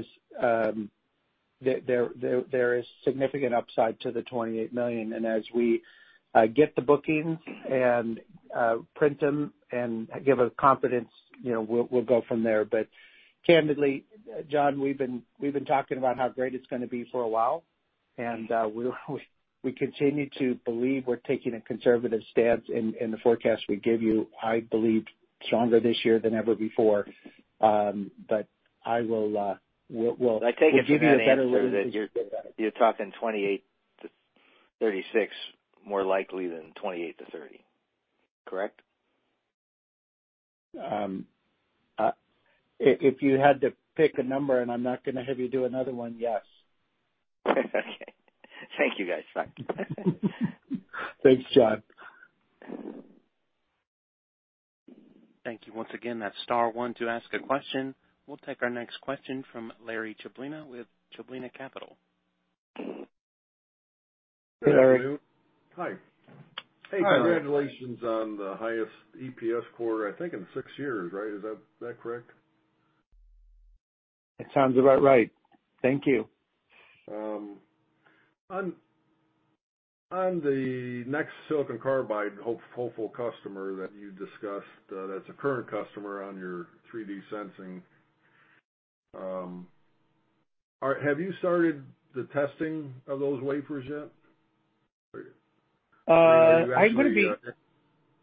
is significant upside to the $28 million. As we get the bookings and print them and give a confidence, we'll go from there. Candidly, Jon, we've been talking about how great it's going to be for a while, and we continue to believe we're taking a conservative stance in the forecast we give you, I believe stronger this year than ever before. We'll give you a better- I take it from that answer that you're talking $28-$36 more likely than $28-$30, correct? If you had to pick a number, and I'm not going to have you do another one, yes. Okay. Thank you, guys. Thank you. Thanks, Jon. Thank you once again. That's star one to ask a question. We'll take our next question from Larry Chlebina with Chlebina Capital. Hey, Larry. Hey. Hi. Hey, congratulations on the highest EPS quarter, I think in six years, right? Is that correct? That sounds about right. Thank you. On the next silicon carbide hopeful customer that you discussed, that's a current customer on your 3D sensing. Have you started the testing of those wafers yet? I would be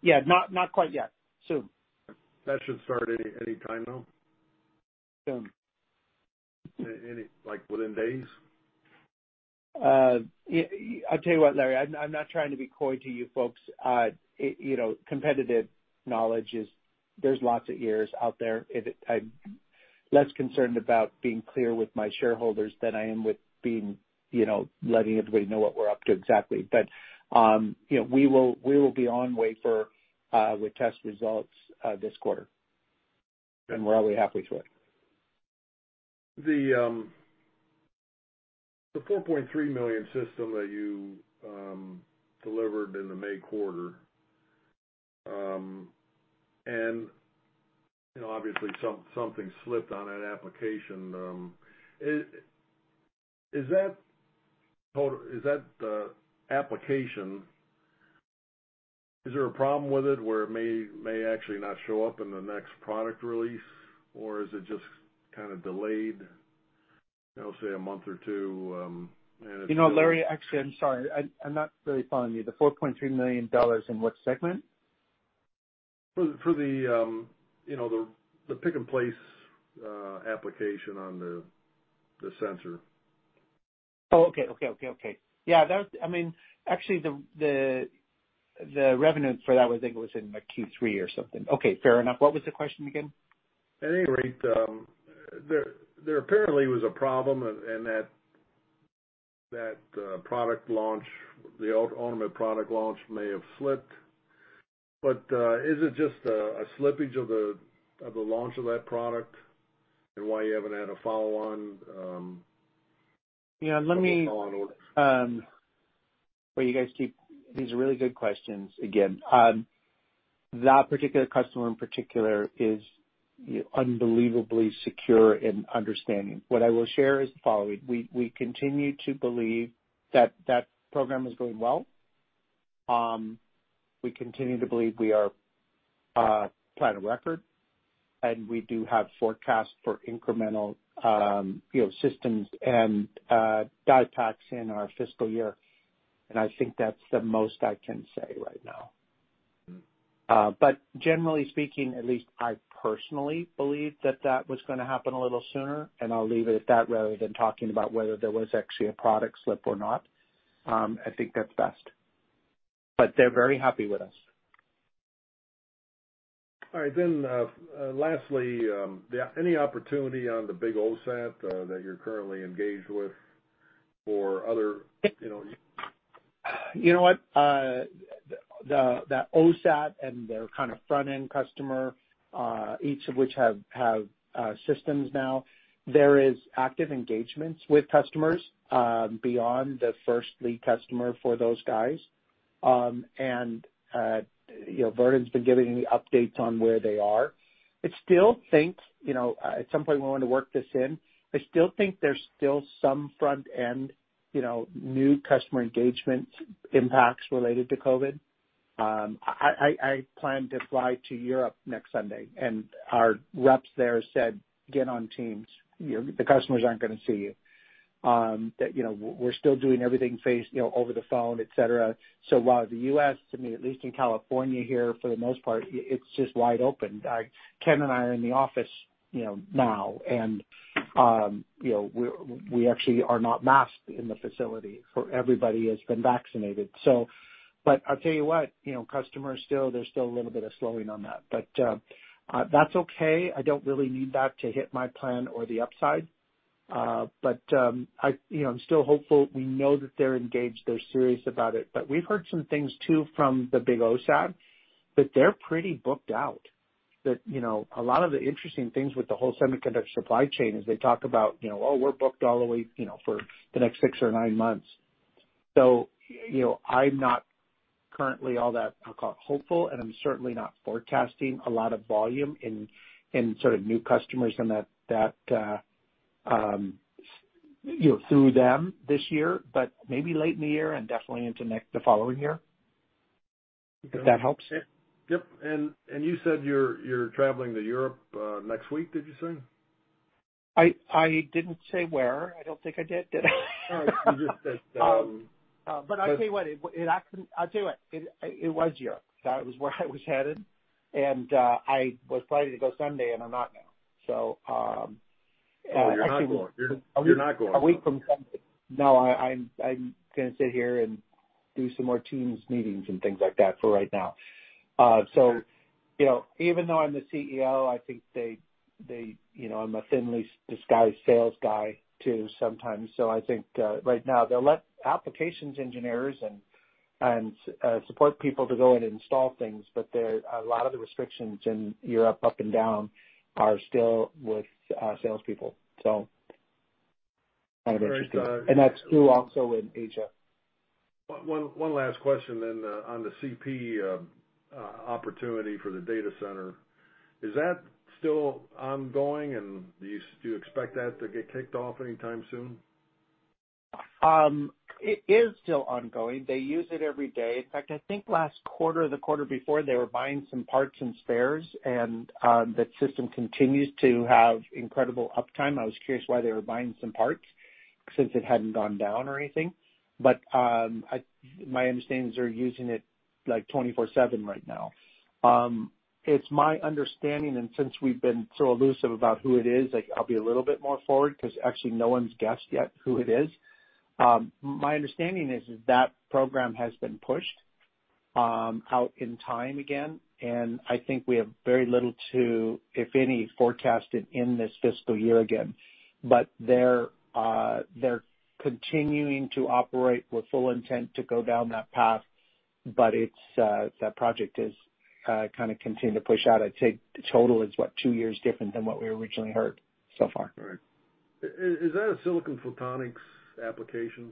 Yeah, not quite yet. Soon. That should start any time now? Soon. Like within days? I'll tell you what, Larry, I'm not trying to be coy to you folks. Competitive knowledge is there's lots of ears out there. I'm less concerned about being clear with my shareholders than I am with letting everybody know what we're up to exactly. We will be on wafer with test results this quarter, and we're well way halfway to it. The $4.3 million system that you delivered in the May quarter. Obviously, something slipped on that application. Is there a problem with that application where it may actually not show up in the next product release, or is it just kind of delayed, say, a month or two? You know what, Larry? Actually, I'm sorry. I'm not really following you. The $4.3 million in what segment? For the pick-and-place application on the sensor. Oh, okay. Yeah, actually, the revenue for that, I think it was in Q3 or something. Okay. Fair enough. What was the question again? At any rate, there apparently was a problem in that product launch, the ultimate product launch may have slipped, but is it just a slippage of the launch of that product and why you haven't had a follow-on order? These are really good questions, again. That particular customer in particular is unbelievably secure in understanding. What I will share is the following. We continue to believe that program is going well. We continue to believe we are plan of record, and we do have forecasts for incremental systems and DiePaks in our fiscal year. I think that's the most I can say right now. Generally speaking, at least I personally believed that that was going to happen a little sooner, and I'll leave it at that, rather than talking about whether there was actually a product slip or not. I think that's best. They're very happy with us. All right. Lastly, any opportunity on the big OSAT that you're currently engaged with? You know what? That OSAT and their kind of front-end customer, each of which have systems now, there is active engagements with customers beyond the first lead customer for those guys. Vernon's been giving me updates on where they are. At some point we want to work this in. I still think there's still some front-end new customer engagement impacts related to COVID. I plan to fly to Europe next Sunday, and our reps there said, "Get on Teams. The customers aren't going to see you." That we're still doing everything over the phone, et cetera. While the U.S., to me, at least in California here, for the most part, it's just wide open. Ken and I are in the office now, and we actually are not masked in the facility, for everybody has been vaccinated. I'll tell you what, customers, there's still a little bit of slowing on that. That's okay. I don't really need that to hit my plan or the upside. I'm still hopeful. We know that they're engaged, they're serious about it. We've heard some things, too, from the big OSAT, that they're pretty booked out. That a lot of the interesting things with the whole semiconductor supply chain is they talk about, "Oh, we're booked all the way for the next six-nine months." I'm not currently all that, I'll call hopeful, and I'm certainly not forecasting a lot of volume in sort of new customers through them this year. Maybe late in the year and definitely into the following year. If that helps. Yep. You said you're traveling to Europe next week, did you say? I didn't say where. I don't think I did I? No, you just said-. I'll tell you what, it was Europe. That was where I was headed. I was planning to go Sunday, and I'm not now. You're not going. A week from Sunday. No, I'm going to sit here and do some more Teams meetings and things like that for right now. Even though I'm the CEO, I think I'm a thinly disguised sales guy, too, sometimes. I think right now they'll let applications engineers and support people to go in and install things. A lot of the restrictions in Europe, up and down, are still with salespeople. Kind of interesting. All right. That's true also in Asia. One last question then on the CP opportunity for the data center. Is that still ongoing, and do you expect that to get kicked off anytime soon? It is still ongoing. They use it every day. In fact, I think last quarter or the quarter before, they were buying some parts and spares, and the system continues to have incredible uptime. I was curious why they were buying some parts since it hadn't gone down or anything. My understanding is they're using it like 24/7 right now. It's my understanding, and since we've been so elusive about who it is, I'll be a little bit more forward because actually no one's guessed yet who it is. My understanding is that program has been pushed out in time again, and I think we have very little to, if any, forecasted in this fiscal year again. They're continuing to operate with full intent to go down that path. That project is kind of continuing to push out. I'd say the total is what, two years different than what we originally heard so far. All right. Is that a silicon photonics application?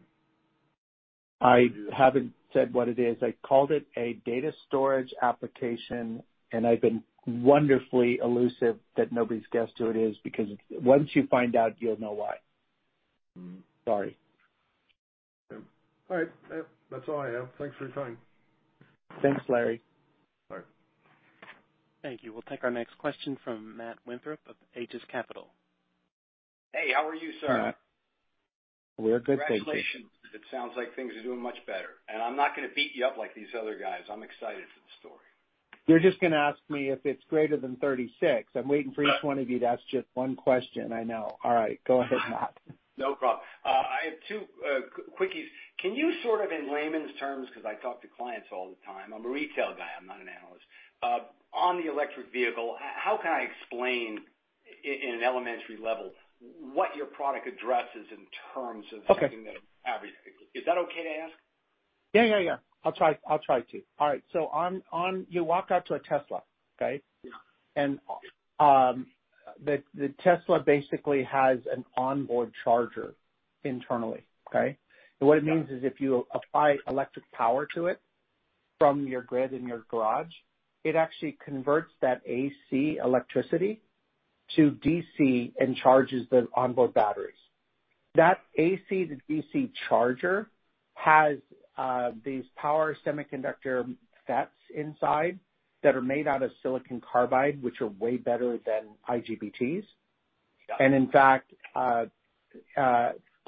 I haven't said what it is. I called it a data storage application, and I've been wonderfully elusive that nobody's guessed who it is, because once you find out, you'll know why. Sorry. All right. That's all I have. Thanks for your time. Thanks, Larry. Bye. Thank you. We'll take our next question from Matt Winthrop of Aegis Capital. Hey, how are you, sir? We're good, thank you. Congratulations. It sounds like things are doing much better. I'm not going to beat you up like these other guys. I'm excited for the story. You're just going to ask me if it's greater than 36. I'm waiting for each one of you to ask just one question, I know. All right. Go ahead, Matt. No problem. I have two quickies. Can you sort of in layman's terms, because I talk to clients all the time. I'm a retail guy. I'm not an analyst. On the electric vehicle, how can I explain in an elementary level what your product addresses in terms of. Okay something that an average person. Is that okay to ask? Yeah. I'll try to. All right. You walk out to a Tesla, okay? Yeah. The Tesla basically has an onboard charger internally, okay? Yeah. What it means is if you apply electric power to it from your grid in your garage, it actually converts that AC electricity to DC and charges the onboard batteries. That AC to DC charger has these power semiconductor FETs inside that are made out of silicon carbide, which are way better than IGBTs. Yeah. In fact,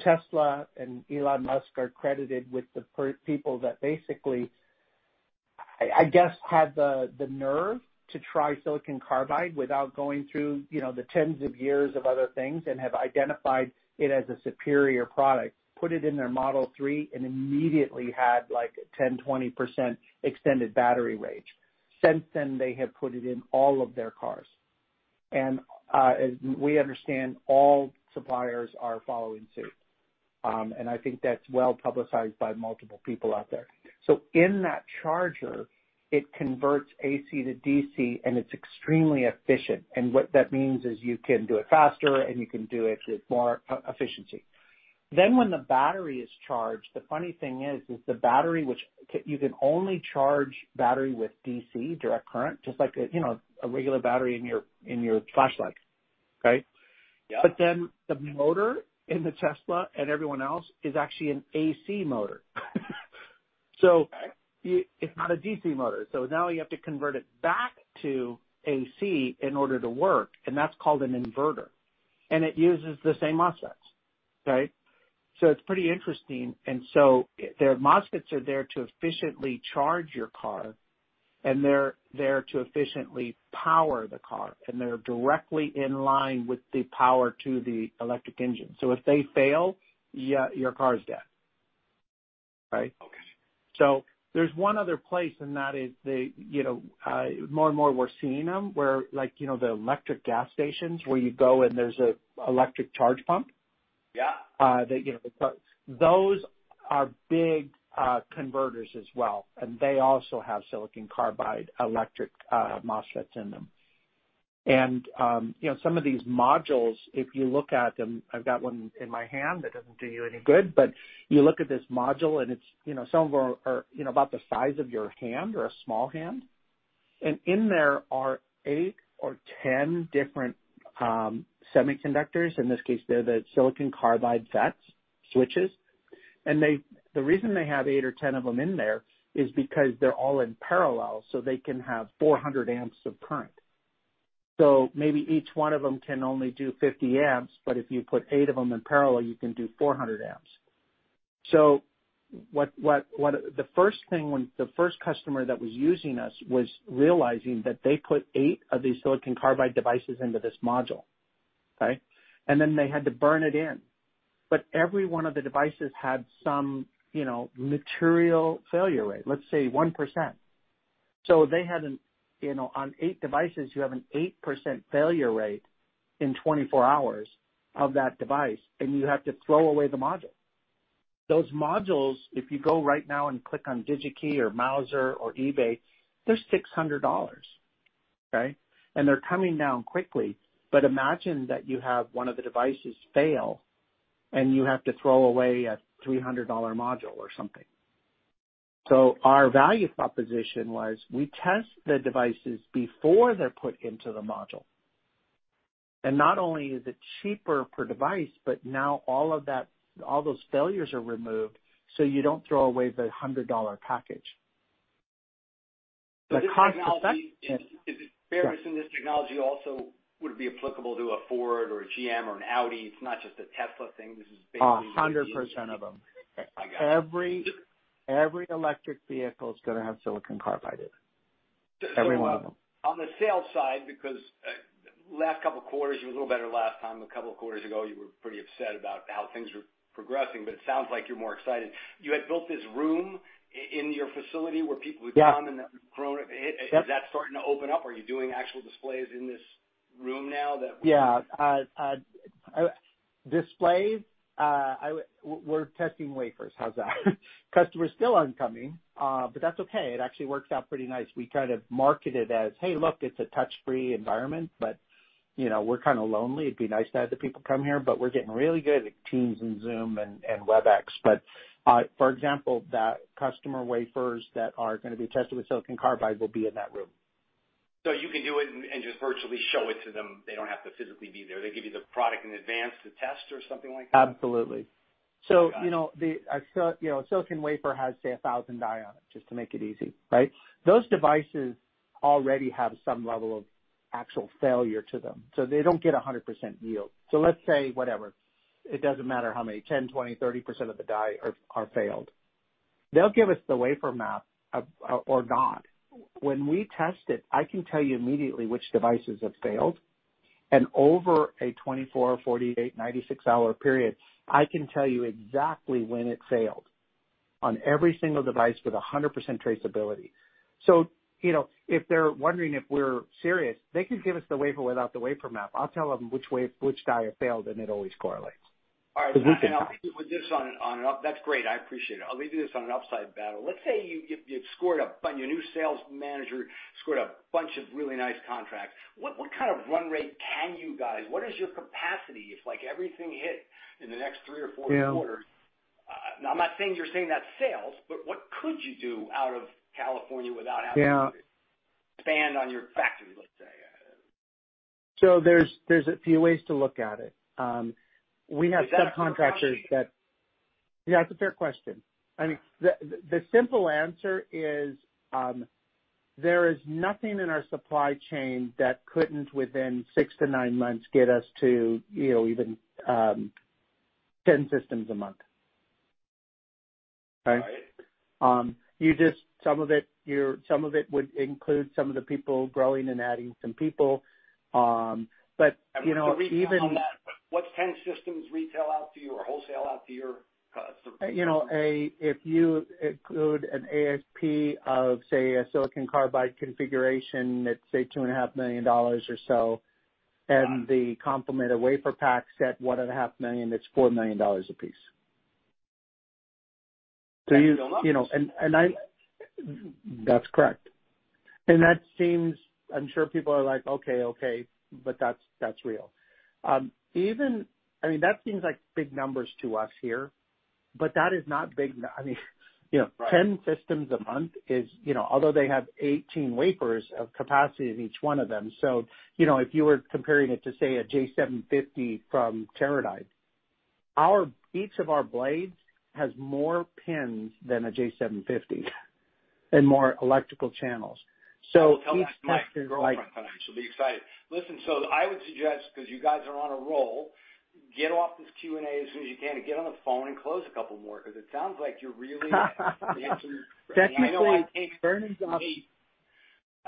Tesla and Elon Musk are credited with the people that basically, I guess, had the nerve to try silicon carbide without going through the tens of years of other things and have identified it as a superior product, put it in their Model 3, and immediately had 10%-20% extended battery range. Since then, they have put it in all of their cars. As we understand, all suppliers are following suit. I think that's well-publicized by multiple people out there. In that charger, it converts AC to DC, and it's extremely efficient. What that means is you can do it faster, and you can do it with more efficiency. When the battery is charged, the funny thing is the battery, which you can only charge battery with DC, direct current, just like a regular battery in your flashlight. Okay. Yeah. The motor in the Tesla and everyone else is actually an AC motor. It's not a DC motor. Now you have to convert it back to AC in order to work, and that's called an inverter. It uses the same MOSFETs. It's pretty interesting. Their MOSFETs are there to efficiently charge your car, and they're there to efficiently power the car, and they're directly in line with the power to the electric engine. If they fail, your car is dead. Right? Okay. There's one other place, and that is the, more and more we're seeing them, where the electric gas stations where you go, and there's an electric charge pump. Yeah. Those are big converters as well, they also have silicon carbide electric MOSFETs in them. Some of these modules, if you look at them, I've got one in my hand that doesn't do you any good, but you look at this module, some of them are about the size of your hand or a small hand. In there are 8 or 10 different semiconductors. In this case, they're the silicon carbide FETs switches. The reason they have 8 or 10 of them in there is because they're all in parallel, so they can have 400 amps of current. Maybe each one of them can only do 50 amps, but if you put eight of them in parallel, you can do 400 amps. The first customer that was using us was realizing that they put eight of these silicon carbide devices into this module. Okay? They had to burn it in, every one of the devices had some material failure rate, let's say 1%. They had, on 8 devices, you have an 8% failure rate in 24 hours of that device, and you have to throw away the module. Those modules, if you go right now and click on Digi-Key or Mouser or eBay, they're $600, okay? They're coming down quickly. Imagine that you have one of the devices fail, and you have to throw away a $300 module or something. Our value proposition was we test the devices before they're put into the module. Not only is it cheaper per device, but now all those failures are removed, so you don't throw away the $100 package. Is it fair to say this technology also would be applicable to a Ford or a GM or an Audi? It's not just a Tesla thing. 100% of them. Okay. I got it. Every electric vehicle is going to have silicon carbide in it. Every one of them. On the sales side, because last couple of quarters, you were a little better last time, a couple of quarters ago, you were pretty upset about how things were progressing, but it sounds like you're more excited. You had built this room in your facility where people would come. Yeah grown. Yep. Is that starting to open up? Are you doing actual displays in this room now that- Yeah. Displays, we're testing wafers. How's that? Customers still aren't coming, that's okay. It actually works out pretty nice. We try to market it as, hey, look, it's a touch-free environment, we're kind of lonely. It'd be nice to have the people come here, we're getting really good at Teams and Zoom and Webex. For example, the customer wafers that are going to be tested with silicon carbide will be in that room. You can do it and just virtually show it to them. They don't have to physically be there. They give you the product in advance to test or something like that? Absolutely. I got it. A silicon wafer has, say, 1,000 die on it, just to make it easy, right? Those devices already have some level of actual failure to them, so they don't get 100% yield. Let's say, whatever, it doesn't matter how many 10%, 20%, 30% of the die are failed. They'll give us the wafer map or not. When we test it, I can tell you immediately which devices have failed, and over a 24, 48, 96-hour period, I can tell you exactly when it failed on every single device with 100% traceability. If they're wondering if we're serious, they could give us the wafer without the wafer map. I'll tell them which die had failed, and it always correlates. All right. I'll leave you with this on an up. That's great, I appreciate it. I'll leave you this on an upside battle. Let's say your new sales manager scored a bunch of really nice contracts. What kind of run rate can you guys, what is your capacity if everything hit in the next three or four quarters? Yeah. I'm not saying you're saying that's sales, but what could you do out of California without having to- Yeah expand on your factory, let's say? There's a few ways to look at it. We have subcontractors that. Is that a fair question? Yeah, it's a fair question. I mean, the simple answer is, there is nothing in our supply chain that couldn't within six to nine months get us to even 10 systems a month. Okay? Right. Some of it would include some of the people growing and adding some people. What's 10 systems retail out to you or wholesale out to your customers? If you include an ASP of, say, a silicon carbide configuration that's, say, $2.5 million or so, and the complement of WaferPaks at $1.5 million, it's $4 million a piece. That's a lot of money. That's correct. That seems, I'm sure people are like, "Okay, okay," but that's real. I mean, that seems like big numbers to us here, but that is not big. I mean 10 systems a month is, although they have 18 wafers of capacity in each one of them, so if you were comparing it to, say, a J750 from Teradyne, each of our blades has more pins than a J750 and more electrical channels. Each customer is like- I'll tell that to my girlfriend tonight. She'll be excited. I would suggest, because you guys are on a roll, get off this Q&A as soon as you can and get on the phone and close a couple more, because it sounds like you're really dancing. Definitely. I came into this three years ago.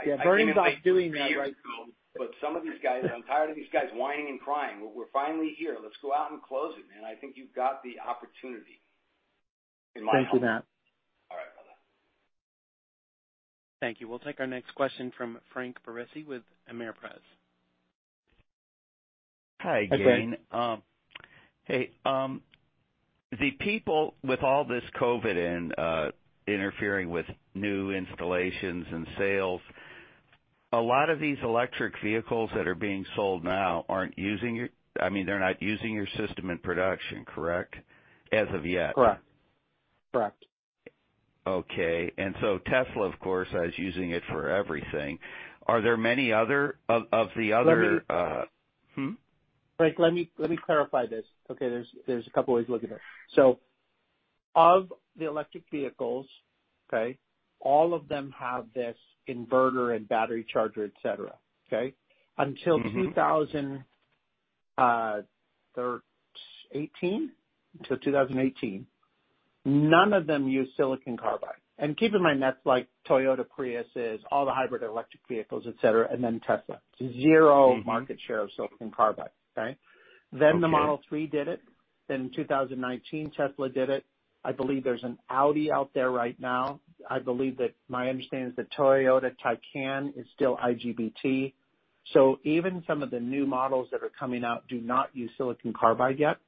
Yeah, Vernon's obviously doing that right now. Some of these guys, I'm tired of these guys whining and crying. We're finally here. Let's go out and close it, man. I think you've got the opportunity. Thank you, Matt. All right, brother. Thank you. We'll take our next question from Frank Barresi with Ameriprise. Hi, Gayn. Hi, Frank. Hey. The people with all this COVID interfering with new installations and sales, a lot of these electric vehicles that are being sold now aren't using your system in production, correct? As of yet. Correct. Okay. Tesla, of course, is using it for everything. Are there many other? Let me- Frank, let me clarify this. Okay, there's a couple ways of looking at it. Of the electric vehicles, okay, all of them have this inverter and battery charger, et cetera. Okay? Until 2018, none of them used silicon carbide. Keep in mind, that's like Toyota Prius, all the hybrid electric vehicles, et cetera, and then Tesla. Zero market share of silicon carbide. Okay. Okay. The Model 3 did it. In 2019, Tesla did it. I believe there's an Audi out there right now. I believe that my understanding is the Porsche Taycan is still IGBT. Even some of the new models that are coming out do not use silicon carbide yet.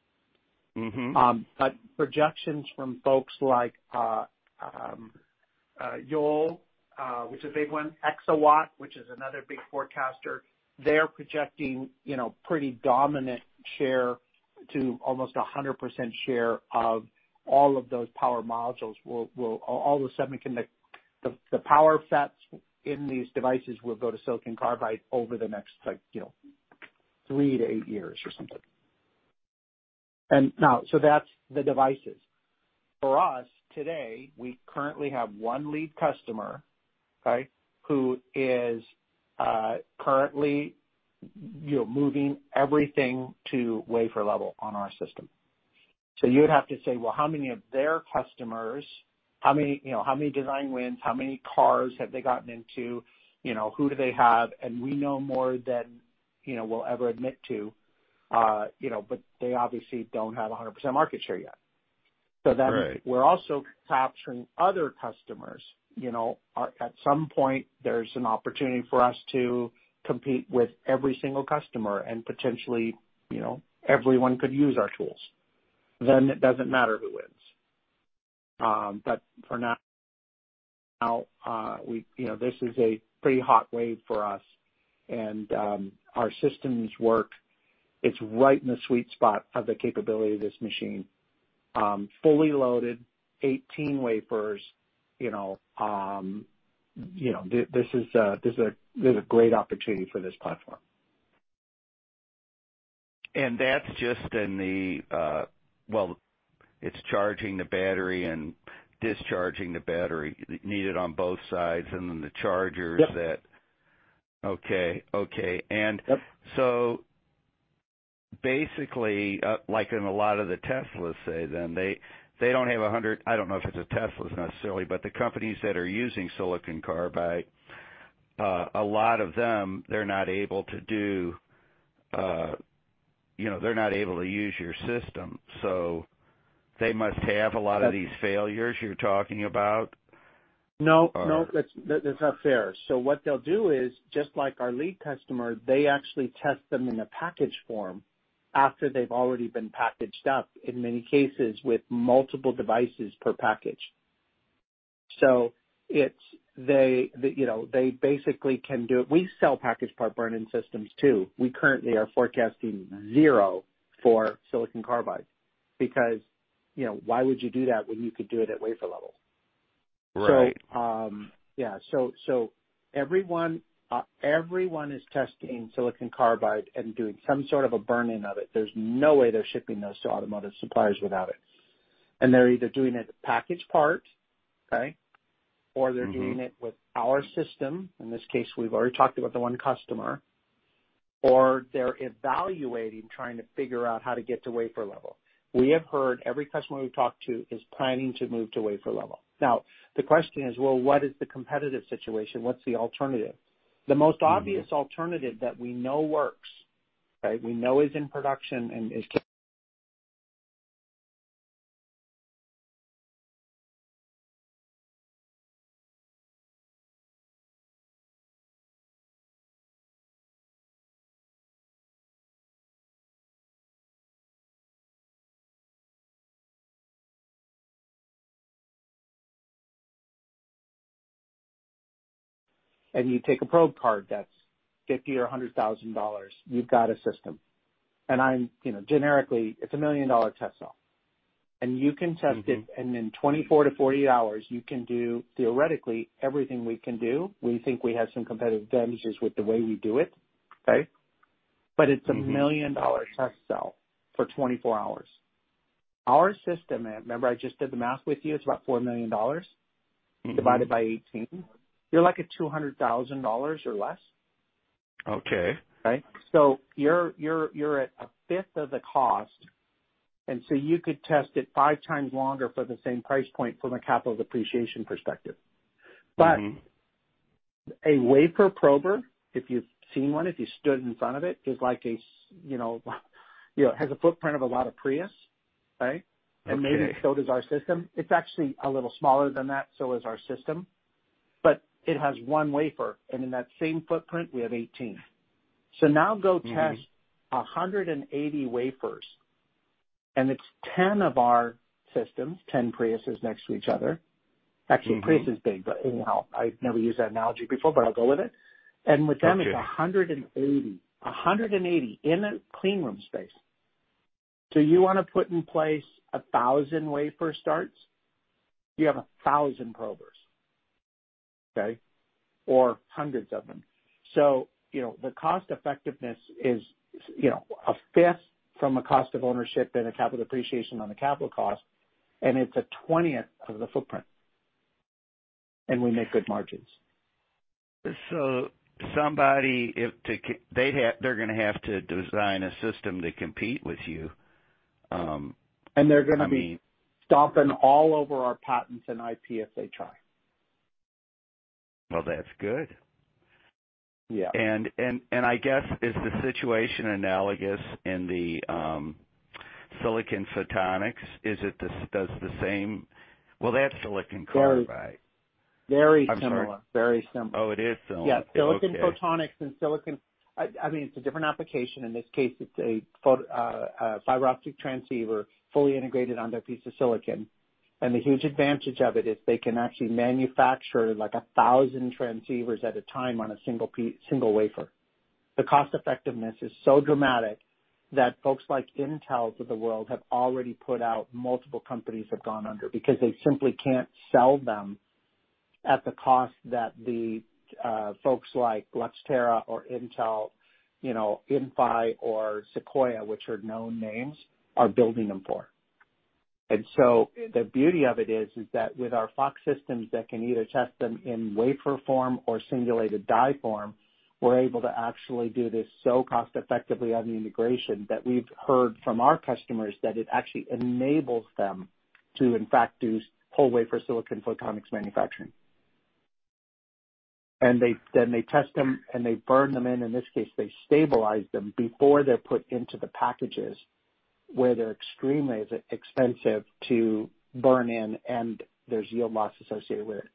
Projections from folks like Yole, which is a big one, Exawatt, which is another big forecaster, they're projecting pretty dominant share to almost 100% share of all of those power modules. All of a sudden, the power sets in these devices will go to silicon carbide over the next three-eight years or something. Now, that's the devices. For us, today, we currently have one lead customer, okay, who is currently moving everything to wafer level on our system. You would have to say, well, how many of their customers, how many design wins, how many cars have they gotten into? Who do they have? We know more than we'll ever admit to, but they obviously don't have 100% market share yet. Right. We're also capturing other customers. At some point, there's an opportunity for us to compete with every single customer and potentially everyone could use our tools. It doesn't matter who wins. For now, this is a pretty hot wave for us, and our systems work. It's right in the sweet spot of the capability of this machine. Fully loaded, 18 wafers. There's a great opportunity for this platform. That's just in the, well, it's charging the battery and discharging the battery needed on both sides, and then the chargers that. Yep. Okay. Yep. Basically, like in a lot of the Teslas, say then, I don't know if it's the Teslas necessarily, but the companies that are using silicon carbide, a lot of them, they're not able to use your system, so they must have a lot of these failures you're talking about. No, that's not fair. What they'll do is, just like our lead customer, they actually test them in a package form after they've already been packaged up, in many cases, with multiple devices per package. We sell packaged part burn-in systems too. We currently are forecasting zero for silicon carbide, because why would you do that when you could do it at wafer level? Right. Everyone is testing silicon carbide and doing some sort of a burn-in of it. There's no way they're shipping those to automotive suppliers without it. They're either doing it package part. They're doing it with our system, in this case, we've already talked about the one customer, or they're evaluating, trying to figure out how to get to wafer level. We have heard every customer we've talked to is planning to move to wafer level. The question is, well, what is the competitive situation? What's the alternative? The most obvious alternative that we know works, we know is in production, and it can. You take a probe card that's $50,000 or $100,000, you've got a system. Generically, it's a million-dollar test cell. You can test it, and in 24-48 hours, you can do theoretically everything we can do. We think we have some competitive advantages with the way we do it. Okay. But it's a million-dollar test cell for 24 hours. Our system, remember I just did the math with you, is about $4 million divided by 18. You're like at $200,000 or less. Okay. You're at a fifth of the cost, and so you could test it five times longer for the same price point from a capital depreciation perspective. A wafer prober, if you've seen one, if you stood in front of it, has a footprint of a lot of Prius. Right? Okay. Maybe so does our system. It's actually a little smaller than that, so is our system. It has one wafer, and in that same footprint, we have 18. Now go test 180 wafers, and it's 10 of our systems, 10 Priuses next to each other. Prius is big, but anyhow, I've never used that analogy before, but I'll go with it. Okay It's 180. 180 in a clean room space. You want to put in place 1,000 wafer starts, you have 1,000 probers. Okay. Hundreds of them. The cost effectiveness is a fifth from a cost of ownership and a capital depreciation on the capital cost, and it's a 20th of the footprint. We make good margins. Somebody, they're going to have to design a system to compete with you. They're going to be stomping all over our patents and IP if they try. Well, that's good. Yeah. I guess, is the situation analogous in the silicon photonics? Does it do the same? Well, that's silicon carbide. Very similar. Oh, it is similar. Yeah. Okay. Silicon photonics and silicon, it's a different application. In this case, it's a fiber optic transceiver, fully integrated onto a piece of silicon. The huge advantage of it is they can actually manufacture 1,000 transceivers at a time on a single wafer. The cost effectiveness is so dramatic that folks like Intel of the world have already put out, multiple companies have gone under because they simply can't sell them at the cost that the folks like Luxtera or Intel, Inphi or Sicoya, which are known names, are building them for. The beauty of it is that with our FOX systems that can either test them in wafer form or singulated die form, we're able to actually do this so cost effectively on the integration that we've heard from our customers that it actually enables them to, in fact, do whole wafer silicon photonics manufacturing. They test them, and they burn them in. In this case, they stabilize them before they're put into the packages, where they're extremely expensive to burn in, and there's yield loss associated with it.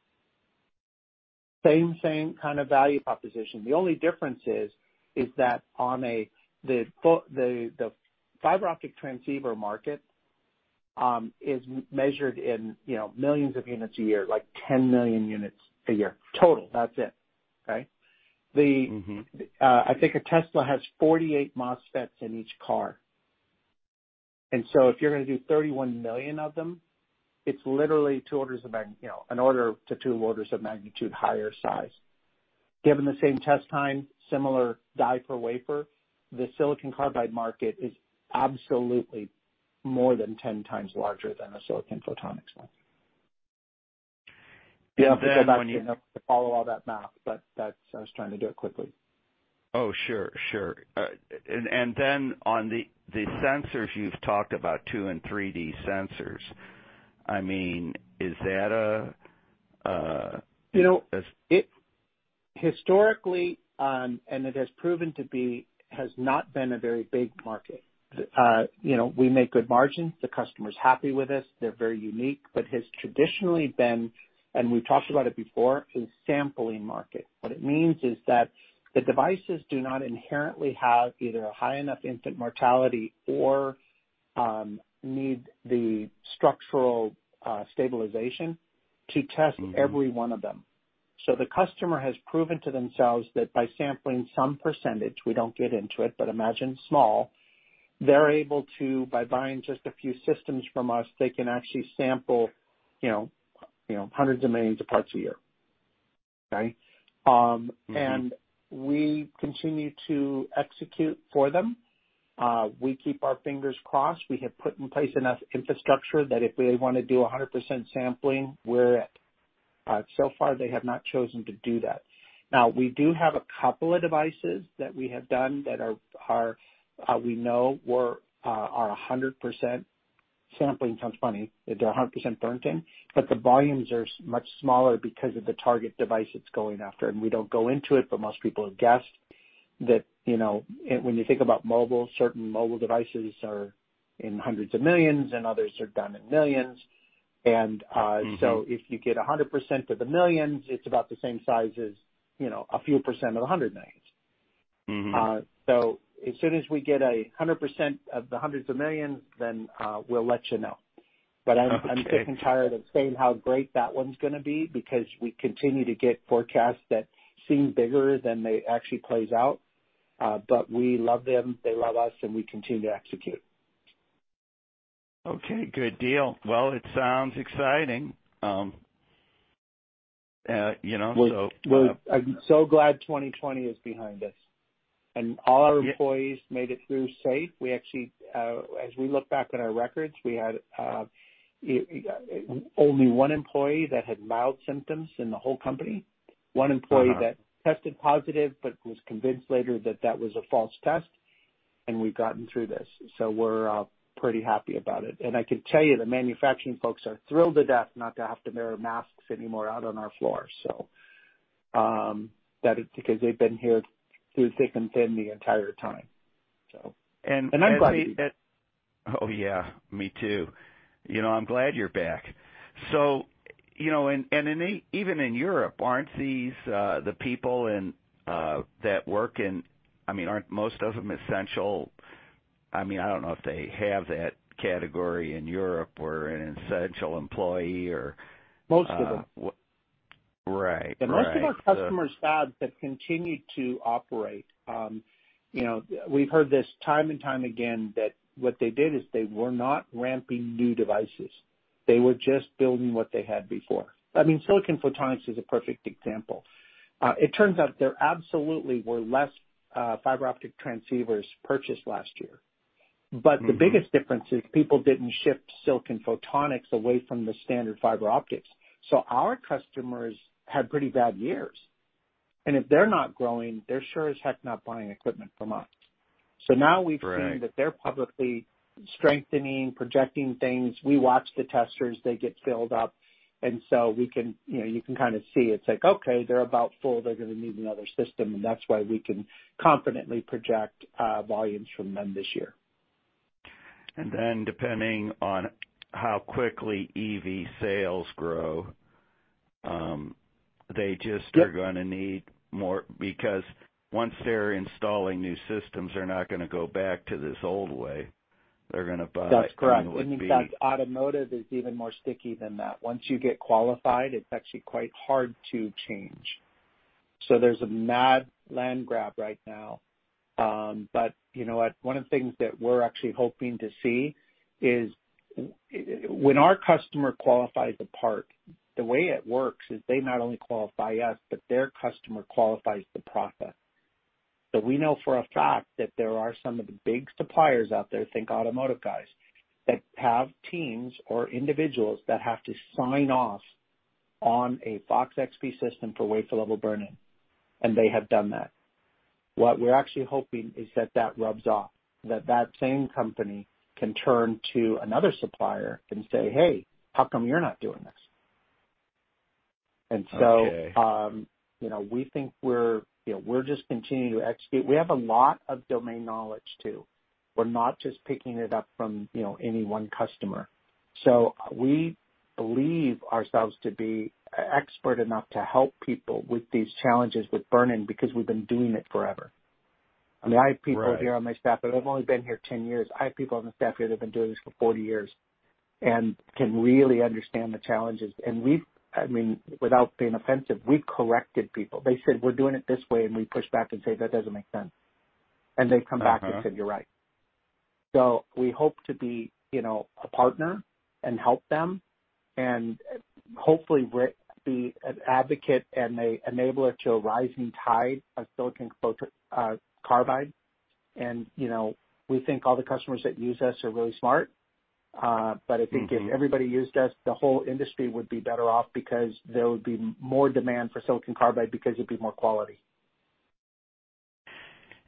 Same kind of value proposition. The only difference is that the fiber optic transceiver market is measured in millions of units a year, like 10 million units a year total. That's it. Okay? I think a Tesla has 48 MOSFETs in each car. If you're going to do 31 million of them, it's literally two orders of magnitude higher size. Given the same test time, similar die per wafer, the silicon carbide market is absolutely more than 10 times larger than a silicon photonics one. You don't have to go back to follow all that math, I was trying to do it quickly. Oh, sure. On the sensors, you've talked about 2 and 3D sensors. You know, historically, and it has proven to be, has not been a very big market. We make good margins. The customer's happy with us. They're very unique, but has traditionally been, and we've talked about it before, a sampling market. What it means is that the devices do not inherently have either a high enough infant mortality or need the structural stabilization to test every one of them. The customer has proven to themselves that by sampling some percentage, we don't get into it, but imagine small, they're able to, by buying just a few systems from us, they can actually sample hundreds of millions of parts a year. Okay? We continue to execute for them. We keep our fingers crossed. We have put in place enough infrastructure that if we want to do 100% sampling, we're it. So far, they have not chosen to do that. We do have a couple of devices that we have done that we know are 100% sampling. Sounds funny. They're 100% burnt in, but the volumes are much smaller because of the target device it's going after, and we don't go into it, but most people have guessed that, when you think about mobile, certain mobile devices are in hundreds of millions, and others are done in millions. If you get 100% of the millions, it's about the same size as a few percent of the hundred millions. As soon as we get 100% of the hundreds of millions, then we'll let you know. Okay. I'm sick and tired of saying how great that one's gonna be, because we continue to get forecasts that seem bigger than they actually plays out. We love them, they love us, and we continue to execute. Okay, good deal. It sounds exciting. Well, I'm so glad 2020 is behind us, and all our employees made it through safe. We actually, as we look back on our records, we had only one employee that had mild symptoms in the whole company. One employee that tested positive but was convinced later that that was a false test, and we've gotten through this, so we're pretty happy about it. I can tell you, the manufacturing folks are thrilled to death not to have to wear masks anymore out on our floor. That is because they've been here through thick and thin the entire time. Oh, yeah. Me too. I'm glad you're back. Even in Europe, the people that work in, aren't most of them essential? I don't know if they have that category in Europe or an essential employee. Most of them. Right. Most of our customers had but continued to operate. We've heard this time and time again that what they did is they were not ramping new devices. They were just building what they had before. Silicon photonics is a perfect example. It turns out there absolutely were less fiber optic transceivers purchased last year. The biggest difference is people didn't ship silicon photonics away from the standard fiber optics. Our customers had pretty bad years, and if they're not growing, they're sure as heck not buying equipment from us. Right. Now we've seen that they're publicly strengthening, projecting things. We watch the testers. They get filled up, you can kind of see it's like, okay, they're about full. They're going to need another system, that's why we can confidently project volumes from them this year. Depending on how quickly EV sales grow, they just. Yep are gonna need more, because once they're installing new systems, they're not gonna go back to this old way. That's correct. and would be- In fact, automotive is even more sticky than that. Once you get qualified, it's actually quite hard to change. There's a mad land grab right now. You know what? One of the things that we're actually hoping to see is when our customer qualifies a part, the way it works is they not only qualify us, but their customer qualifies the process. We know for a fact that there are some of the big suppliers out there, think automotive guys, that have teams or individuals that have to sign off on a FOX-XP system for wafer-level burn-in, and they have done that. What we're actually hoping is that that rubs off, that same company can turn to another supplier and say, "Hey, how come you're not doing this? Okay. We think we're just continuing to execute. We have a lot of domain knowledge, too. We're not just picking it up from any one customer. We believe ourselves to be expert enough to help people with these challenges with burn-in, because we've been doing it forever. Right. I have people here on my staff, and I've only been here 10 years. I have people on the staff here that have been doing this for 40 years and can really understand the challenges. We've, without being offensive, we've corrected people. They said, "We're doing it this way," and we push back and say, "That doesn't make sense." They come back. Said, "You're right." So we hope to be a partner and help them, and hopefully we're be an advocate and a enabler to a rising tide of silicon carbide, and we think all the customers that use us are really smart. I think if everybody used us, the whole industry would be better off because there would be more demand for silicon carbide because it'd be more quality.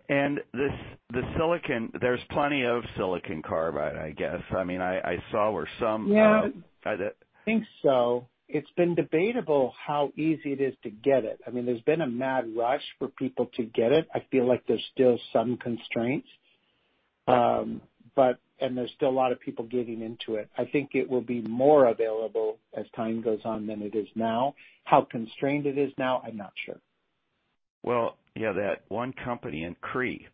The silicon, there's plenty of silicon carbide, I guess. Yeah, I think so. It's been debatable how easy it is to get it. There's been a mad rush for people to get it. I feel like there's still some constraints, and there's still a lot of people getting into it. I think it will be more available as time goes on than it is now. How constrained it is now, I'm not sure. Yeah, that one company in Cree,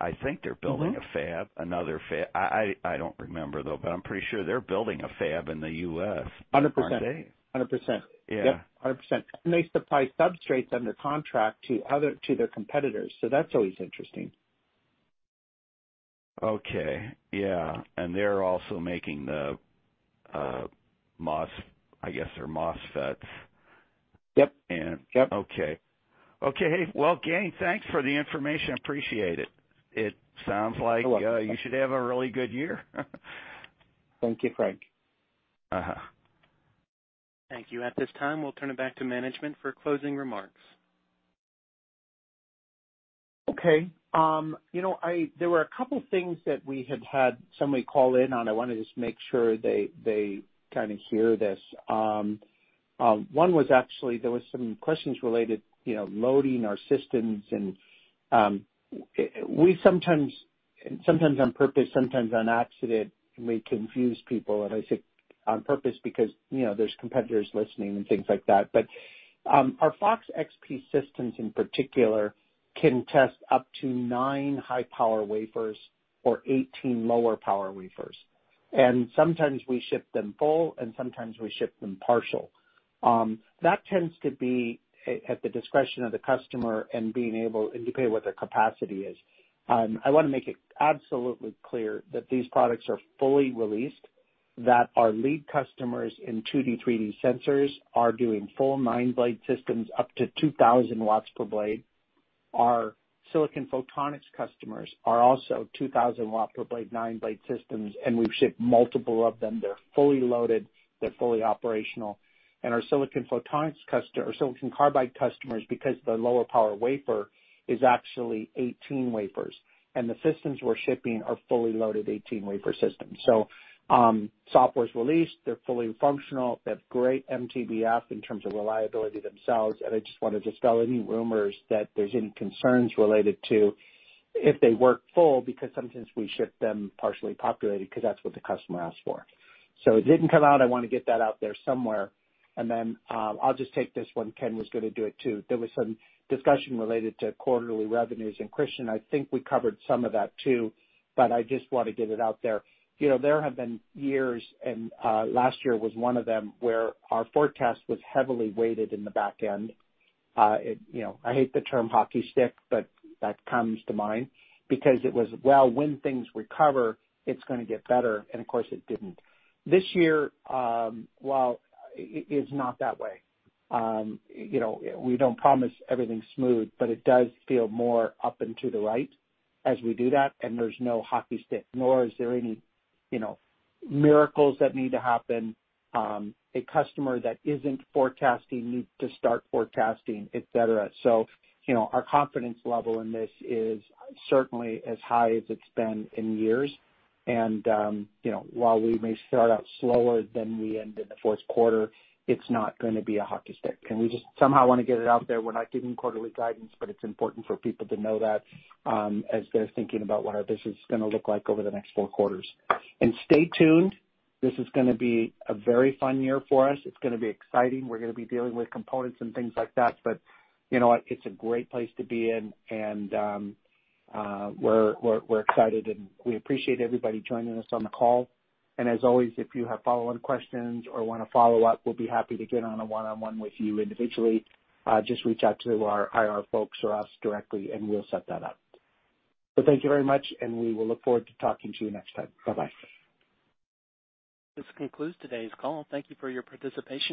I think they're building a fab, another fab. I don't remember though, I'm pretty sure they're building a fab in the U.S. 100%. Aren't they? 100%. Yeah. Yep, 100%. They supply substrates under contract to their competitors, that's always interesting. Okay. Yeah. They're also making the, I guess, their MOSFETs. Yep. And- Yep. Okay. Well, Gayn, thanks for the information. Appreciate it. You're welcome. You should have a really good year. Thank you, Frank. Thank you. At this time, we will turn it back to management for closing remarks. Okay. There were a couple things that we had somebody call in on. I want to just make sure they kind of hear this. One was actually, there was some questions related to loading our systems. We sometimes on purpose, sometimes on accident, may confuse people. I say on purpose because there's competitors listening and things like that. Our FOX-XP systems in particular can test up to nine high-power wafers or 18 lower-power wafers, and sometimes we ship them full, and sometimes we ship them partial. That tends to be at the discretion of the customer and depending on what their capacity is. I want to make it absolutely clear that these products are fully released, that our lead customers in 2D, 3D sensors are doing full nine-blade systems up to 2,000 watts per blade. Our silicon photonics customers are also 2,000 watt per blade, nine-blade systems, and we've shipped multiple of them. They're fully loaded, they're fully operational. Our silicon carbide customers, because the lower power wafer is actually 18 wafers, and the systems we're shipping are fully loaded 18-wafer systems. Software's released. They're fully functional. They have great MTBF in terms of reliability themselves, and I just want to dispel any rumors that there's any concerns related to if they work full, because sometimes we ship them partially populated because that's what the customer asks for. It didn't come out. I want to get that out there somewhere, and then I'll just take this one. Ken was going to do it too. There was some discussion related to quarterly revenues. Christian, I think we covered some of that too, but I just want to get it out there. There have been years, and last year was one of them, where our forecast was heavily weighted in the back end. I hate the term hockey stick, but that comes to mind because it was, well, when things recover, it's going to get better, and of course it didn't. This year, well, it is not that way. We don't promise everything's smooth, but it does feel more up and to the right as we do that, and there's no hockey stick, nor is there any miracles that need to happen. A customer that isn't forecasting needs to start forecasting, et cetera. Our confidence level in this is certainly as high as it's been in years, and while we may start out slower than we end in the fourth quarter, it's not going to be a hockey stick. We just somehow want to get it out there. We're not giving quarterly guidance. It's important for people to know that, as they're thinking about what our business is going to look like over the next four quarters. Stay tuned. This is going to be a very fun year for us. It's going to be exciting. We're going to be dealing with components and things like that. You know what. We're excited. We appreciate everybody joining us on the call. As always, if you have follow-on questions or want to follow up, we'll be happy to get on a one-on-one with you individually. Just reach out to our IR folks or us directly. We'll set that up. Thank you very much. We will look forward to talking to you next time. Bye-bye. This concludes today's call. Thank you for your participation.